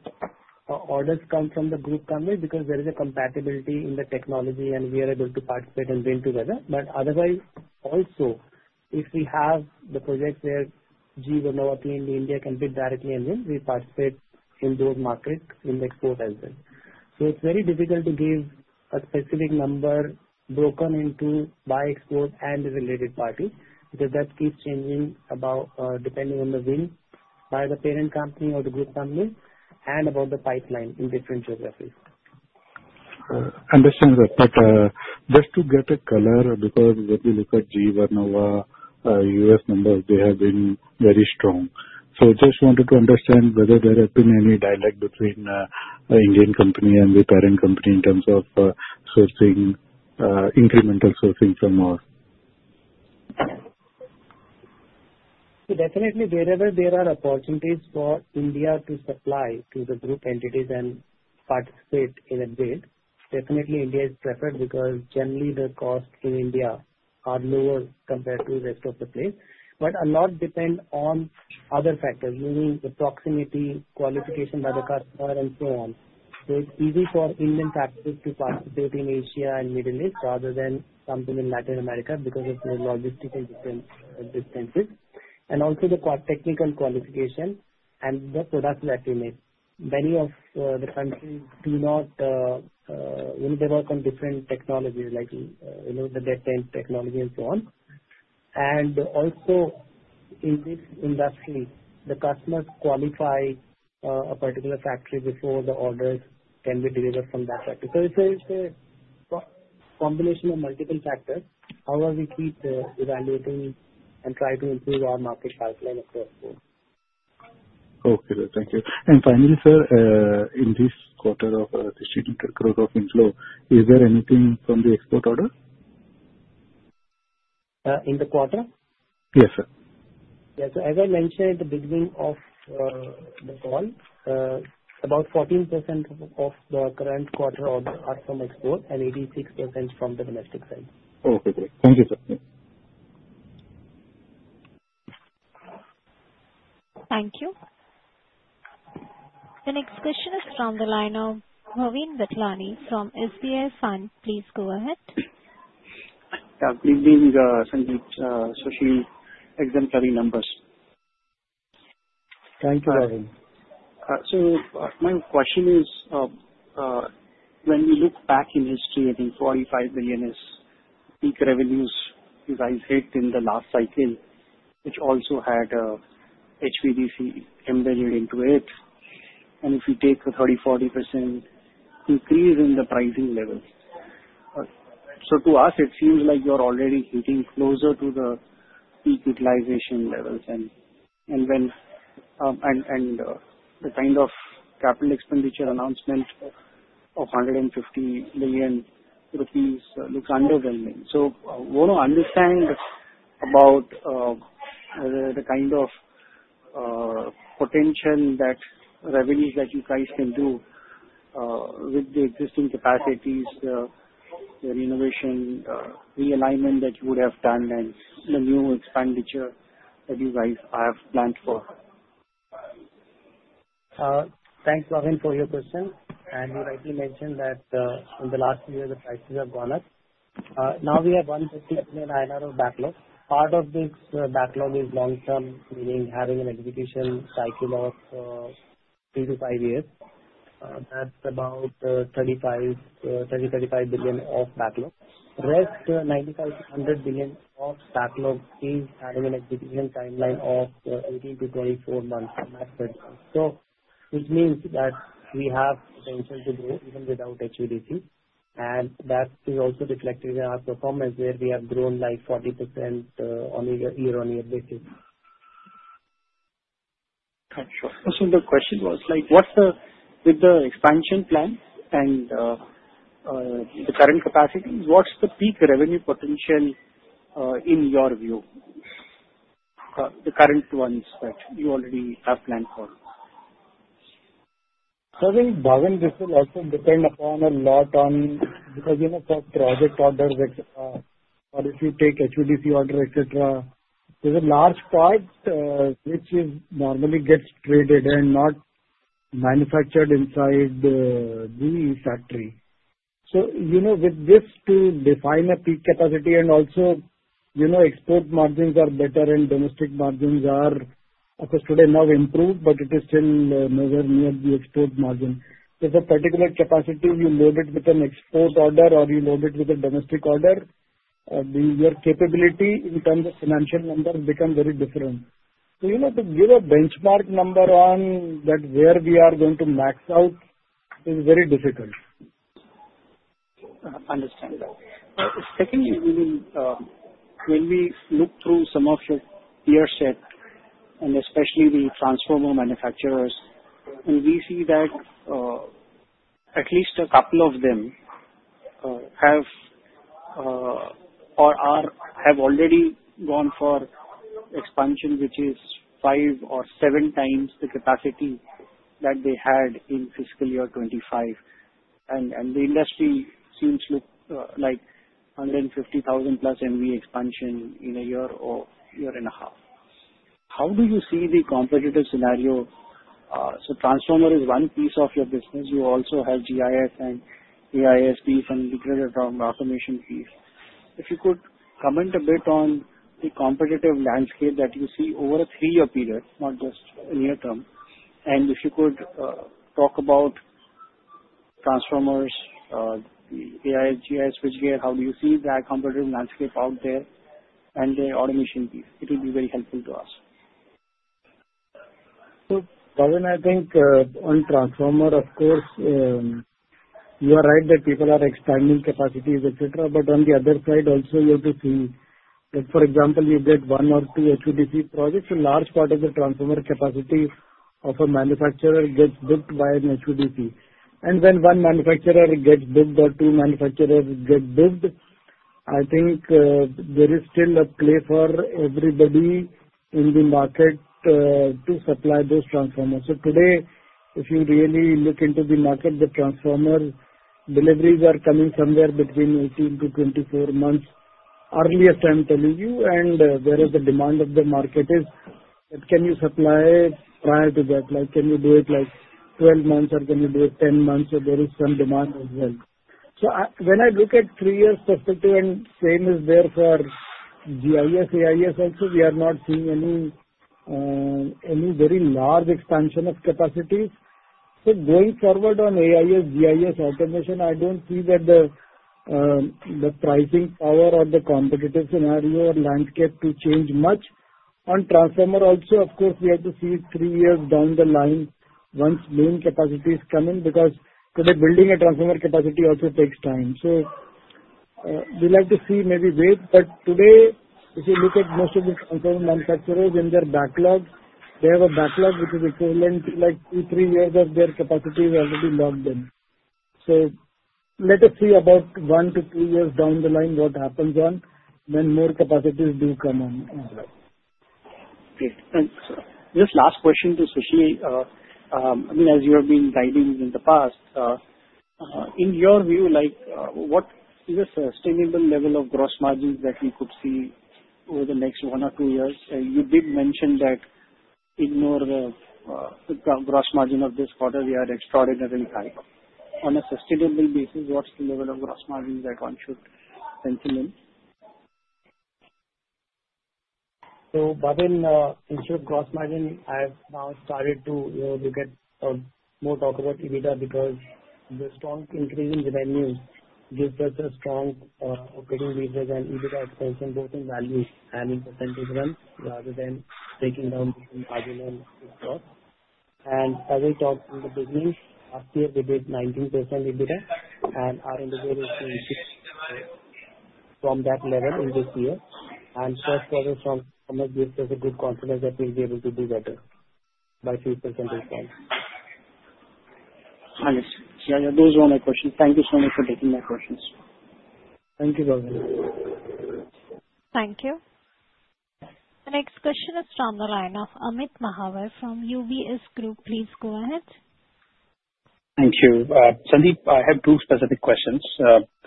Speaker 3: orders come from the group companies because there is a compatibility in the technology and we are able to participate and bid together. Otherwise also if we have the projects where GE Vernova T&D India Ltd. can bid directly and win, we participate in those markets in the export as well. It's very difficult to give a specific number broken into by export and the related party because that keeps changing depending on the win by the parent company or the group company and about the pipeline in different geographies.
Speaker 12: Understand that, but just to get a color because if you look at GE Vernova U.S. numbers they have been very strong. Just wanted to understand whether there have been any direct between Indian company and the parent company in terms of sourcing, incremental sourcing for more.
Speaker 3: Definitely. Wherever there are opportunities for India to supply to the group entities and participate in a bid, definitely India is preferred. Generally the cost in India are lower compared to rest of the places. A lot depends on other factors meaning the proximity, qualification by the customer and so on. It's easy for Indian practices to participate in Asia and Middle East rather than something in Latin America because of the logistical distances and also the core technical qualification and the product that we make, many of the countries do not develop on different technologies like, you know, the GIS technology and so on. Also in this industry, the customers qualify a particular factory before the orders can be delivered from that factory. It's a combination of multiple factors. We keep evaluating and try to improve our market pipeline across both.
Speaker 12: Okay, thank you. Finally sir, in this quarter of INR 1,600 crores of inflow, is there anything from the export order
Speaker 3: in the quarter? Yes, sir. Yes. As I mentioned at the beginning of the call, about 14% of the current quarter order are from export and 86% from the domestic.
Speaker 12: Okay, great. Thank you sir.
Speaker 1: Thank you. The next question is from the line of Bhavin Vithlani from SBI Fund. Please go ahead.
Speaker 13: Exemplary numbers. Thank you. My question is when we look back in history, I think 45 billion is peak revenues you guys hit in the last cycle, which also had HVDC embedded into it. If you take a 30% to 40% increase in the pricing levels, it seems like you're already getting closer to the peak utilization levels, and the kind of capital expenditure announcement of 150 million rupees looks underwhelming. I want to understand about the kind of potential that revenues that you guys can do with the existing capacities, the innovation realignment that you would have done, and the new expenditure that you guys have planned for.
Speaker 3: Thanks, Bhavin, for your question. You rightly mentioned that in the last year the prices have gone up. Now we have 150 billion of backlog. Part of this backlog is long term, meaning having an execution cycle of three to five years. That's about 30 billion to 35 billion of backlog. The rest, 90 billion to 95 billion of backlog, is having an execution timeline of 18 to 24 months. This means that we have potential to grow even without HVDC, and that is also reflected in our performance where we have grown like 40% on a year-on-year basis. The question was, with the expansion plan and the current capacity, what's the peak revenue potential in your view, the current ones that you already have planned for. Bhavan, this will also depend a lot on, because for project orders or if you take HVDC order, etc., there's a large part which normally gets traded and not manufactured inside the factory. With this, to define a peak capacity, and also export margins are better and domestic margins are now improved, but it is still measured near the export margin. There's a particular capacity, you load it with an export order or you load it with a domestic order. Your capability in terms of financial numbers becomes very different. To give a benchmark number on that, where we are going to max out, is very difficult.
Speaker 13: I understand that. Secondly, when we look through some of your peer set, and especially the transformer manufacturers, we see that at least a couple of them have already gone for expansion, which is five or seven times the capacity that they had in fiscal year 2025. The industry seems like 150,000 plus MV expansion in a year or year and a half. How do you see the competitive scenario? Transformer is one piece of your business. You also have GIS and AIS and grid automation piece. If you could comment a bit on the competitive landscape that you see over a three year period, not just near term. If you could talk about transformers, AIS, GIS, switchgear, how do you see that competitive landscape out there? The automation piece, it will be very helpful to us.
Speaker 3: Bhavin, I think on transformer of course you are right that people are expanding capacities, etc. On the other side also you have to see that for example you get one or two HVDC projects, a large part of the transformer capacity of a manufacturer gets booked by an HVDC. When one manufacturer gets booked or two manufacturers get booked, I think there is still a play for everybody in the market to supply those transformers. If you really look into the market, the transformer deliveries are coming somewhere between 18 to 24 months earliest, I'm telling you. Whereas the demand of the market is can you supply prior to that, like can you do it in 12 months or can you do it in 10 months? There is some demand as well. When I look at three years perspective and same is there for GIS, AIS also, we are not seeing any very large expansion of capacities. Going forward on AIS, GIS, automation, I don't see that the pricing power or the competitive scenario or landscape to change much. On transformer also of course we have to see three years down the line once main capacities come in. Because building a transformer capacity also takes time. We like to see, maybe wait. If you look at most of the manufacturers in their backlog, they have a backlog which is equivalent to two, three years of their capacity already logged in. Let us see about one to two years down the line what happens when more capacities do come.
Speaker 13: This last question to Sushil, I mean as you have been guiding in the past, in your view what is the sustainable level of gross margins that we could see over the next one or two years? You did mention that ignore the gross margin of this quarter. We are extraordinarily high on a sustainable basis. What's the level of gross margin that one should pencil in?
Speaker 9: Bhavin, instead of gross margin I've now started to, you know, look at more talk about EBITDA because the strong increase in revenues gives us a strong operating leverage and EBIT expansion both in value and in percentage run rather than breaking down margin and stock. As I talked in the beginning, last year we did 19% EBITDA margin and from that level, this year and first quarter gives us good confidence that we'll be able to do better by a few percentage points.
Speaker 13: Those were my questions. Thank you so much for taking my questions. Thank you.
Speaker 1: Thank you. The next question is from the line of Amit Mehrotra from UBS Group. Please go ahead.
Speaker 14: Thank you. Sandeep, I have two specific questions.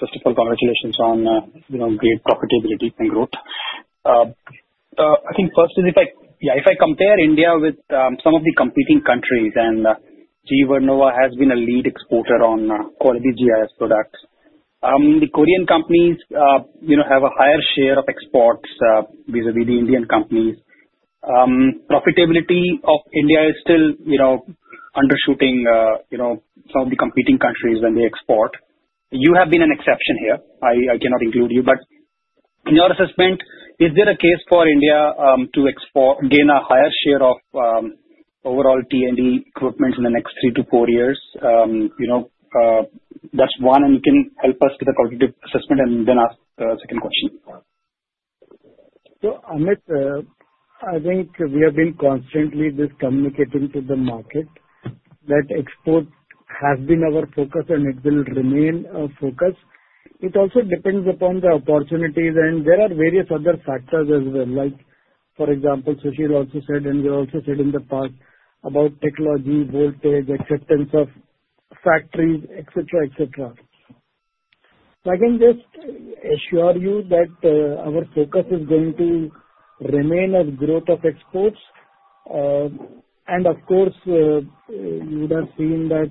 Speaker 14: First of all, congratulations on great profitability. I think first is if I compare India with some of the competing countries and GE Vernova has been a lead exporter on quality GIS products. The Korean companies have a higher share of exports vis-à-vis the Indian companies. Profitability of India is still undershooting some of the competing countries when they export. You have been an exception here. I cannot include you. In your assessment, is there a case for India to export, gain a higher share of overall T&D equipment in the next three to four years? That's one. You can help us with a cognitive assessment and then I'll ask the second question.
Speaker 3: Amit, I think we have been constantly just communicating to the market that export has been our focus and it will remain a focus.It also depends upon the opportunities and there are various other factors as well. For example, Sushil also said and we also said in the past about technology, voltage, acceptance of factories, etc. I can just assure you that our focus is going to remain as growth of export. Of course, you would have seen that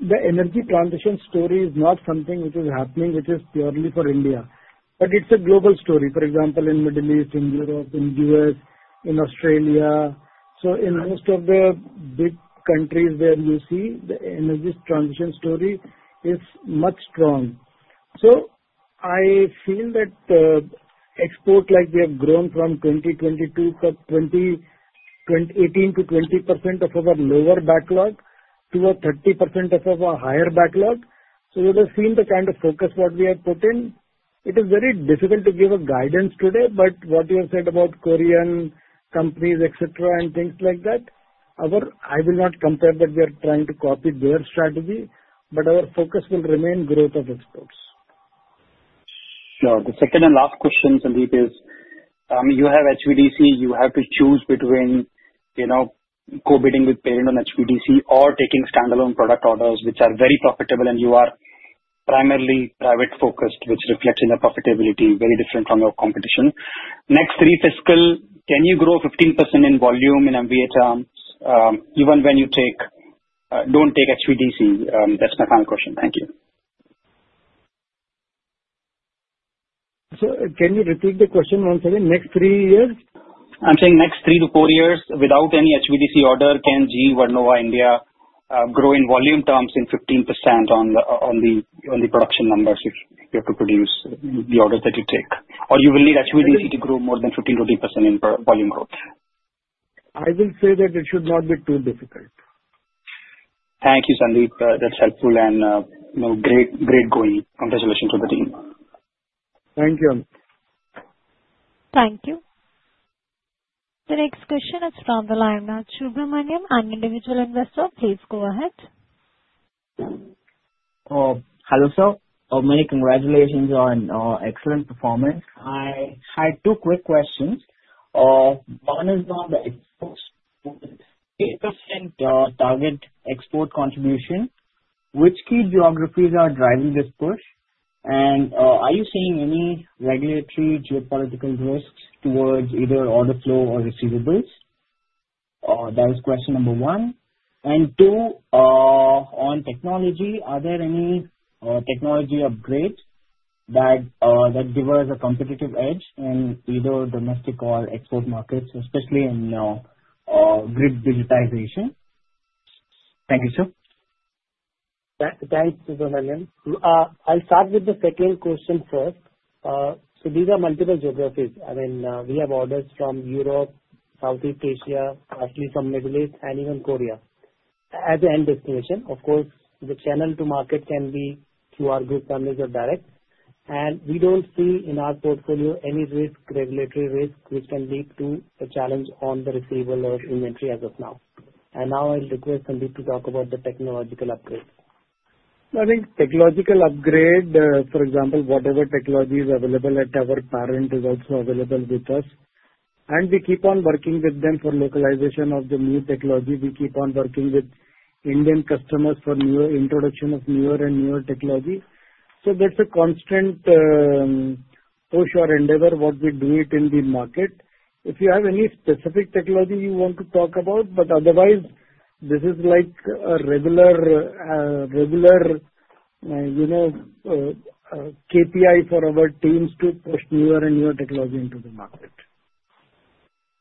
Speaker 3: the energy transition story is not something which is happening which is purely for India, but it's a global story. For example, in Middle East, in Europe, in U.S., in Australia. In most of the big countries where you see the energy transition story is much stronger. I feel that export, like we have grown from 2018 to 2022 from 20% of our lower backlog to a 30% of our higher backlog, so you have seen the kind of focus we have put in. It is very difficult to give a guidance today. What you have said about Korean companies and things like that, I will not compare that. We are not trying to copy their strategy, but our focus will remain growth of exports.
Speaker 14: Sure. The second and last question, Sandeep, is you have HVDC. You have to choose between co-bidding with parent on HVDC or taking standalone product orders which are very profitable. You are primarily private focused, which reflects in the profitability, very different from your competition. Next three fiscal years, can you grow 15% in volume in MVA term even when you take, don't take HVDC? That's my final question. Thank you.
Speaker 3: Can you repeat the question once again, next three years?
Speaker 14: I'm saying next three to four years without any HVDC order, can GE Vernova T&D India Ltd. grow in volume terms in 15% on the production numbers? If you have to produce the orders that you take or you will need HVDC to grow more than 15% to 20% in volume growth?
Speaker 3: I will say that it should not be too difficult. Thank you, Sandeep. That's helpful and great going. Congratulations to the team. Thank you.
Speaker 1: Thank you. The next question is from Lanath Subramaniam. I'm an individual investor. Please go ahead.
Speaker 15: Hello sir. Many congratulations on excellent performance. I had two quick questions. One is on the exports 8% target export contribution. Which key geographies are driving this push? Are you seeing any regulatory geopolitical risks towards either order flow or receivables? That is question number one. Two, on technology, are there any technology upgrades that give us a competitive edge in either domestic or export markets, especially in grid digitization? Thank you sir.
Speaker 3: Thanks. Subramaniam. I'll start with the second question first. These are multiple geographies. We have orders from Europe, Southeast Asia, partly from Middle East, and even Korea as an end destination. Of course, the channel to market can be QR Group, families, or direct. We don't see in our portfolio any risk, regulatory risk, which can lead to a challenge on the receivable or inventory as of now. Now I'll request Sandeep to talk about the technological upgrades. I think technological upgrade, for example, whatever technology is available at our parent is also available with us. We keep on working with them for localization of the new technology. We keep on working with Indian customers for new introduction of newer and newer technology. That's a constant push or endeavor what we do in the market. If you have any specific technology you want to talk about, but otherwise this is like a regular, regular, you know, KPI for our teams to push newer and newer technology into the market.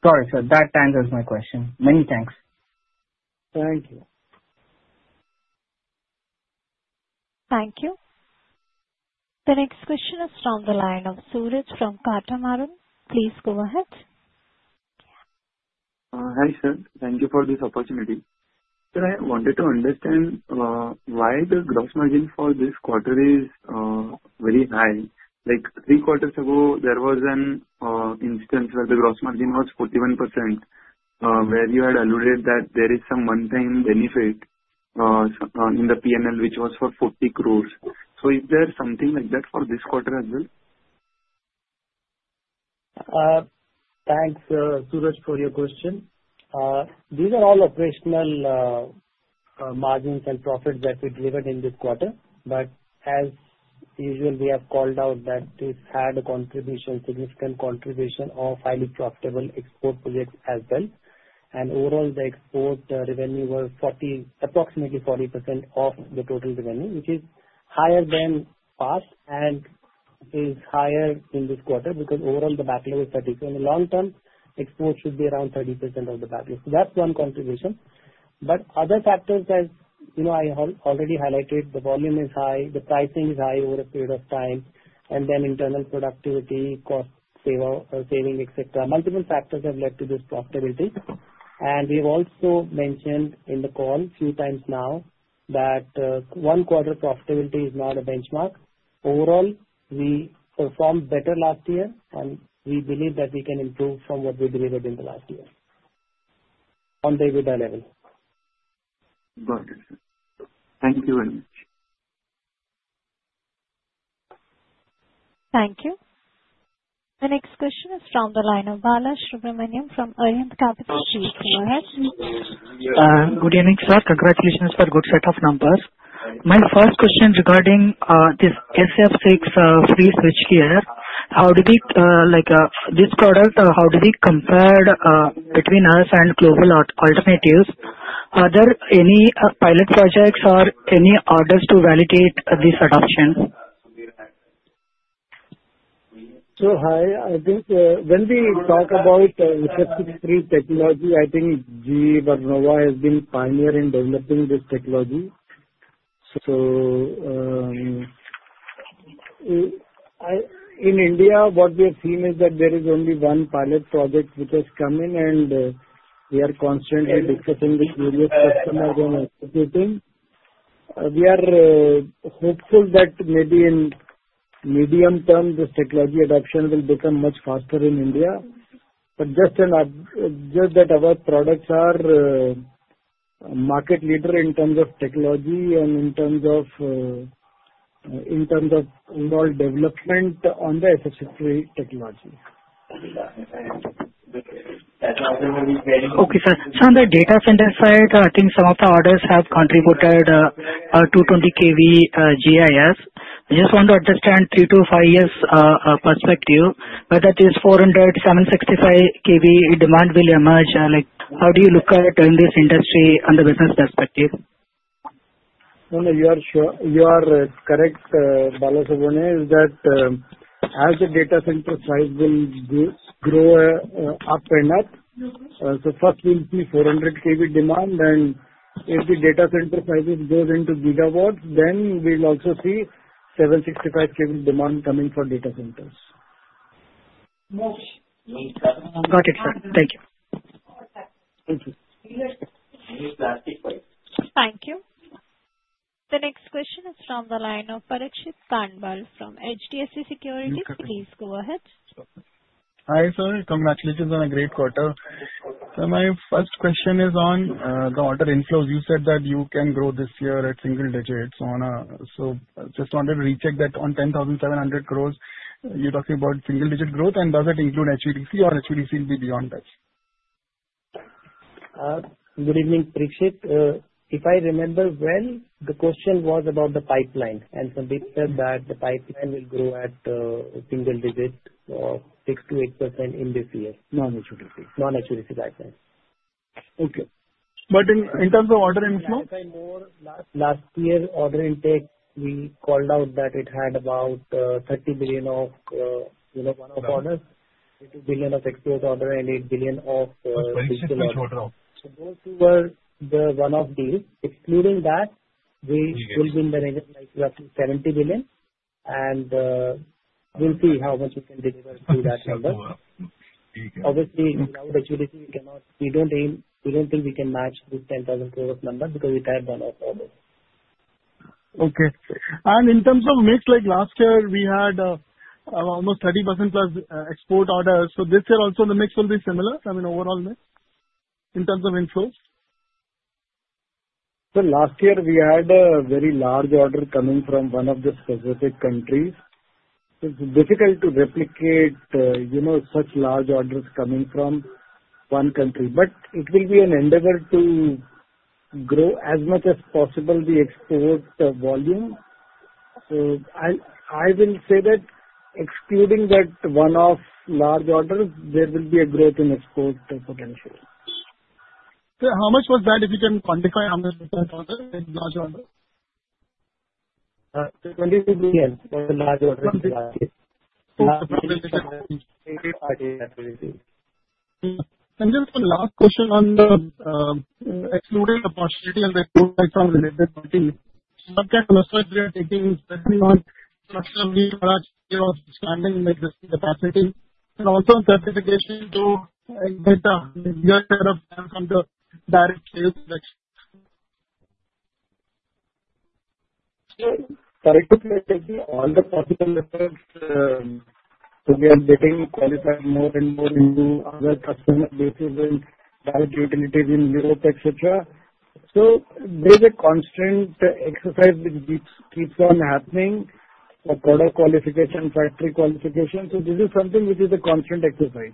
Speaker 15: Sorry. That answers my question. Many thanks. Thank you.
Speaker 1: Thank you. The next question is from the line of Suraj from Catamaran. Please go ahead.
Speaker 16: Hi sir. Thank you for this opportunity. I wanted to understand why the gross margin for this quarter is very high. Like three quarters ago there was an instance where the gross margin was 41% where you had alluded that there is some one-time benefit in the P&L which was for 40 crore. Is there something like that for this quarter as well?
Speaker 3: Thanks Suraj for your question. These are all operational margins and profits that we delivered in this quarter. As usual, we have called out that this had a significant contribution of highly profitable export projects as well. Overall, the export revenue was approximately 40% of the total revenue, which is higher than past and is higher in this quarter. Overall, the backlog is 34%. In the long term, exports should be around 30% of the backlog. That is one contribution. Other factors, as I already highlighted, the volume is high, the pricing is high over a period of time, and then internal productivity, cost saving, et cetera. Multiple factors have led to this profitability. We've also mentioned in the call a few times now that one quarter profitability is not a benchmark. Overall, we performed better last year. We believe that we can improve from what we delivered in the last year on the EBITDA level.
Speaker 16: Got it sir. Thank you very much.
Speaker 1: Thank you. The next question is from the line of Bala Subramanya from Arihant Capital.
Speaker 17: Good evening sir. Congratulations for good set of numbers. My first question regarding this SF6 free switchgear. How do we like this product? How do we compare between us and global alternatives? Are there any pilot projects or any orders to validate this adoption? I think when we talk about technology, I think GE Vernova has been pioneer in developing this technology. In India what we have seen is that there is only one pilot project which has come in. We are constantly discussing with various customers and executing.
Speaker 3: We are hopeful that maybe in medium term this technology adoption will become much faster in India. Our products are market leader in terms of technology and in terms of overall development on the SF6 technology.
Speaker 17: Okay sir. On the data center side I think some of the orders have contributed 220 kV GIS. Just want to understand 3 to 5 years perspective. Whether it is 400, 765 kV demand will emerge, how do you look at in this industry on the business perspective? You are correct. The balance is that as the data center size will grow up and up. First we'll see 400 kV demand and if the data center sizes go into gigawatts then we'll also see 765 kV demand coming for data centers. Got it sir. Thank you.
Speaker 1: Thank you. The next question is from the line of Parikshit Kandpal from HDFC Securities. Please go ahead.
Speaker 18: Hi sir. Congratulations on a great quarter. My first question is on the order inflows. You said that you can grow this year at single digits. Just wanted to recheck that. On 10,700 crores you're talking about single digit growth and does it include HVDC or HVDC? You seen beyond that.
Speaker 3: Good evening Prixit. If I remember when the question was about the pipeline and some people said that the pipeline will grow at single digit of 6% to 8% in this year. In terms of order inflow, last year order intake we called out that it had about 30 billion of, you know, one-off orders, 2 billion of export order and 8 billion of those who were the one-off deal. Excluding that we will be in the range like INR 70 billion. We'll see how much we can deliver through that number. Obviously we cannot, we don't aim, we don't think we can match this 10,000 crore number because we tied one-off all.
Speaker 18: In terms of mix, like last year we had almost 30% plus export orders. This year also the mix will be similar. I mean overall mix in terms of inflows.
Speaker 3: Last year we had a very large order coming from one of the specific countries. It's difficult to replicate, you know, such large orders coming from one country. It will be an endeavor to grow as much as possible the export volume. I will say that excluding that one-off large orders there will be a growth in export potential.
Speaker 18: How much was that? If you can quantify. Just one last question on the excluding opportunity and related capacity and also certification to get.
Speaker 3: All the possible efforts. We are getting qualified more and more into other customer bases and direct utilities in Europe, et cetera. There's a constant exercise which keeps on happening for product qualification, factory qualification. This is something which is a constant exercise.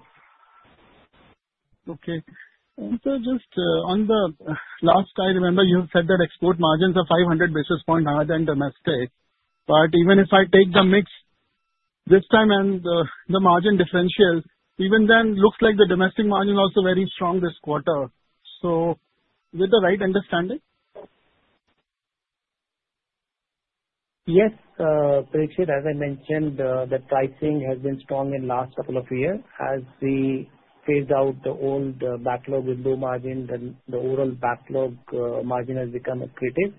Speaker 18: Just on the last I remember you said that export margins of 500 basis points higher than domestic. Even if I take the mix this time and the margin differential, even then looks like the domestic margin also very strong this quarter. With the right understanding.
Speaker 3: Yes Parikshit, as I mentioned that pricing has been strong in last couple of years as we phased out the old backlog with low margin. The overall backlog margin has become accretive.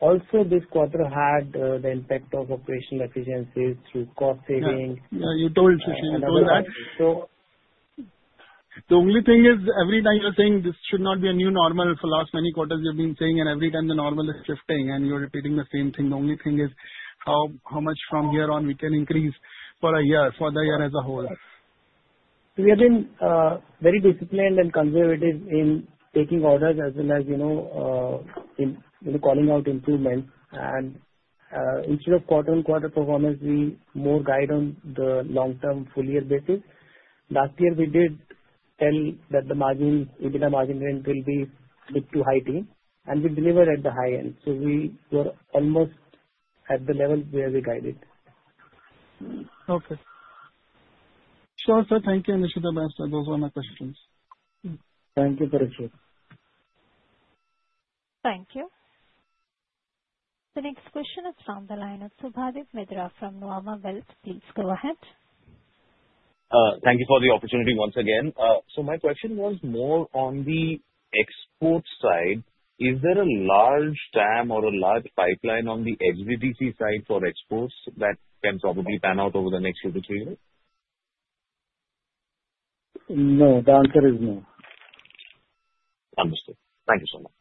Speaker 3: Also this quarter had the impact of operational efficiencies through cost saving.
Speaker 18: Yeah, you told that. The only thing is every time you're saying this should not be a new normal for last many quarters you've been saying and every time the normal is shifting and you're repeating the same thing. The only thing is how much from here on we can increase for a year, for the year as a whole.
Speaker 3: we are very disciplined and conservative in taking orders as well as, you know, calling out improvements. Instead of quarter on quarter performance, we more guide on the long term full year basis. Last year we did tell that the EBITDA margin range will be bit too high teen and we delivered at the high end. We were almost at the level where we guided.
Speaker 18: Okay, sure sir, thank you. Those are my questions.
Speaker 3: Thank you Parikshit.
Speaker 1: Thank you. The next question is from the line of Subhadip Mitra from Nuvama Wealth. Please go ahead.
Speaker 6: Thank you for the opportunity once again. My question was more on the export side. Is there a large TAM or a large pipeline on the HVDC side for exports that can probably pan out over the next two to three years? No. The answer is no. Understood. Thank you so much.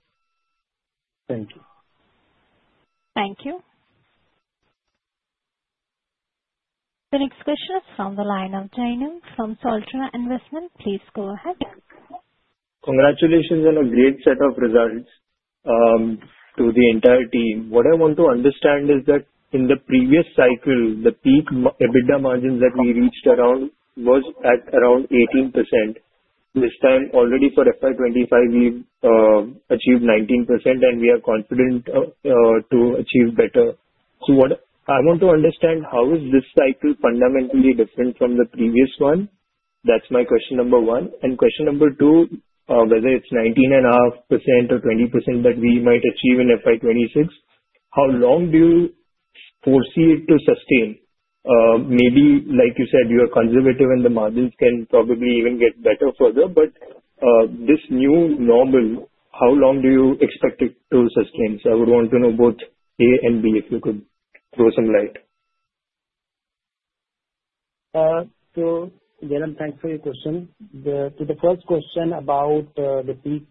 Speaker 6: Thank you.
Speaker 1: Thank you. The next question is from the line of Jainam from Soltra Investment. Please go ahead.
Speaker 15: Congratulations on a great set of results to the entire team. What I want to understand is that in the previous cycle the peak EBITDA margins that we reached around was at around 18%. This time already for FY2025 we achieved 19% and we are confident to achieve better. What I want to understand, how is this cycle fundamentally different from the previous one? That's my question number one and question number two, whether it's 19.5% or 20% that we might achieve in FY2026, how long do you foresee it to sustain? Maybe like you said, you are conservative and the margins can probably even get better further. This new normal, how long do you expect it to sustain? I would want to know both A and B if you could throw some light.
Speaker 3: Thanks for your question. To the first question about the peak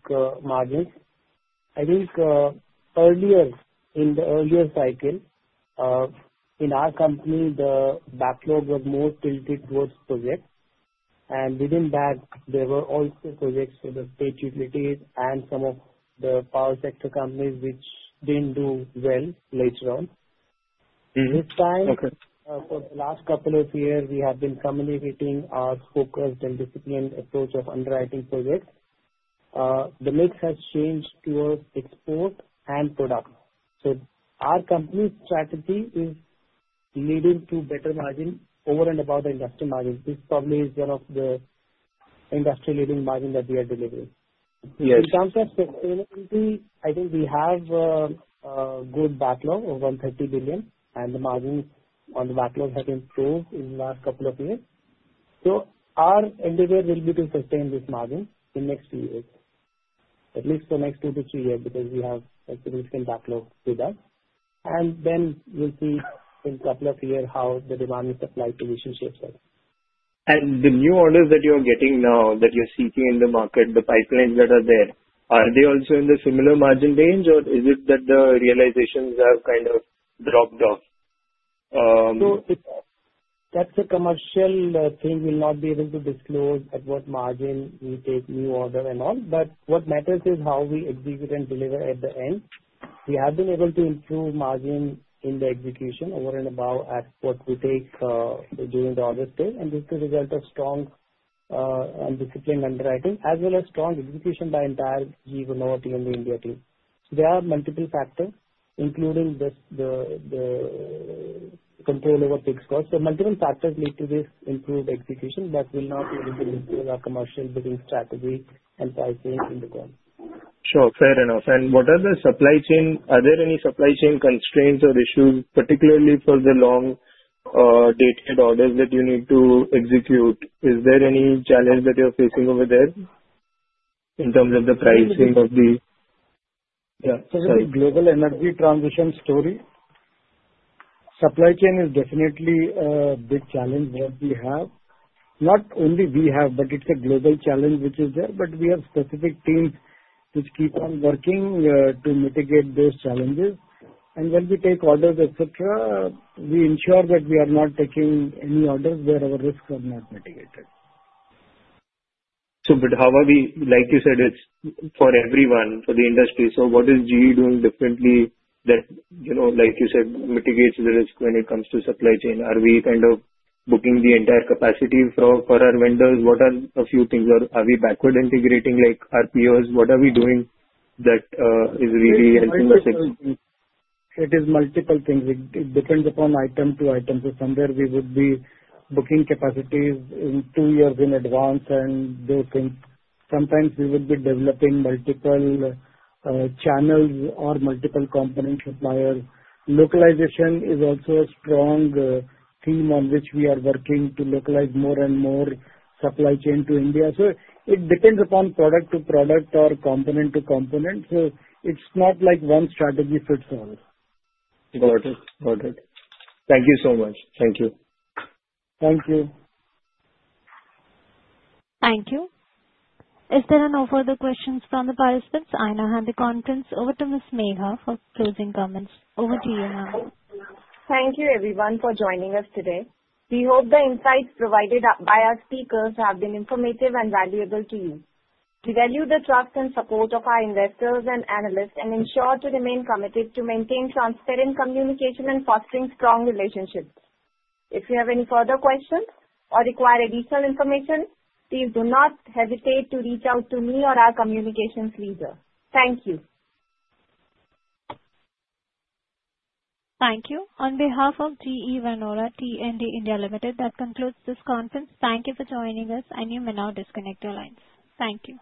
Speaker 3: margins, I think earlier in the earlier cycle in our company the backlog was more tilted towards projects and within that there were also projects for the utilities and some of the power sector companies which didn't do well later on. This time, for the last couple of years we have been communicating our focused and disciplined approach of underwriting project. The mix has changed towards export and product. Our company strategy is leading to better margin over and above the industrial margin. This probably is one of the industry leading margin that we are delivering in terms of sustainability. I think we have good backlog of 130 billion and the margins on the backlog have improved in the last couple of years. Our endeavor will be to sustain this margin in next few years, at least for next two to three years because we have a significant backlog with us and then we'll see in couple of years how the demand and supply position shapes
Speaker 15: and the new orders that you're getting now that you're seeking in the market, the pipelines that are there, are they also in the similar margin range or is it that the realization has kind of dropped off? That's a commercial thing. We'll not be able to disclose at what margin we take new order and all, but what matters is how we execute and deliver at the end. We have been able to improve margin in the execution over and above at what we take during the order stage.
Speaker 3: This is a result of strong disciplined underwriting as well as strong execution by entire team, the India team. There are multiple factors including the control over fixed cost. Multiple factors lead to this improved execution that will be able to improve our commercial bidding strategy and pricing in the ground. Sure, fair enough. What are the supply chain? Are there any supply chain constraints or issues, particularly for the long-dated orders that you need to execute? Is there any challenge that you're facing over there in terms of the pricing of the global energy transition story? Supply chain is definitely a big challenge that we have. Not only we have, but it's a global challenge which is there. We have specific teams which keep on working to mitigate those challenges. When we take orders, we ensure that we are not taking any orders where our risks are not mitigated.
Speaker 15: How are we, like you said, it's for everyone, for the industry. What is GE Vernova T&D India Ltd. doing differently that, like you said, mitigates the risk when it comes to supply chain? Are we booking the entire capacity for our vendors? What are a few things, or are we backward integrating like RPOs? What are we doing that is really helping us?
Speaker 3: It is multiple things. It depends upon item to item. Somewhere we would be booking capacities 2 years in advance and those things. Sometimes we would be developing multiple channels or multiple component suppliers. Localization is also a strong theme on which we are working to localize more and more supply chain to India. It depends upon product to product or component to component. It's not like one strategy fits all.
Speaker 15: Got it. Got it. Thank you so much. Thank you.
Speaker 3: Thank you.
Speaker 1: Thank you. If there are no further questions from the participants, I now hand the conference over to Ms. Megha Gupta for closing comments. Over to you, ma'am.
Speaker 2: Thank you everyone for joining us today. We hope the insights provided by our speakers have been informative and valuable to you. We value the trust and support of our investors and analysts, and ensure to remain committed to maintain transactions, communication, and fostering strong relationships. If you have any further questions or require additional information, please do not hesitate to reach out to me or our Communications Leader. Thank you.
Speaker 1: Thank you. On behalf of GE Vernova T&D India Ltd., that concludes this conference. Thank you for joining us. You may now disconnect your lines. Thank you.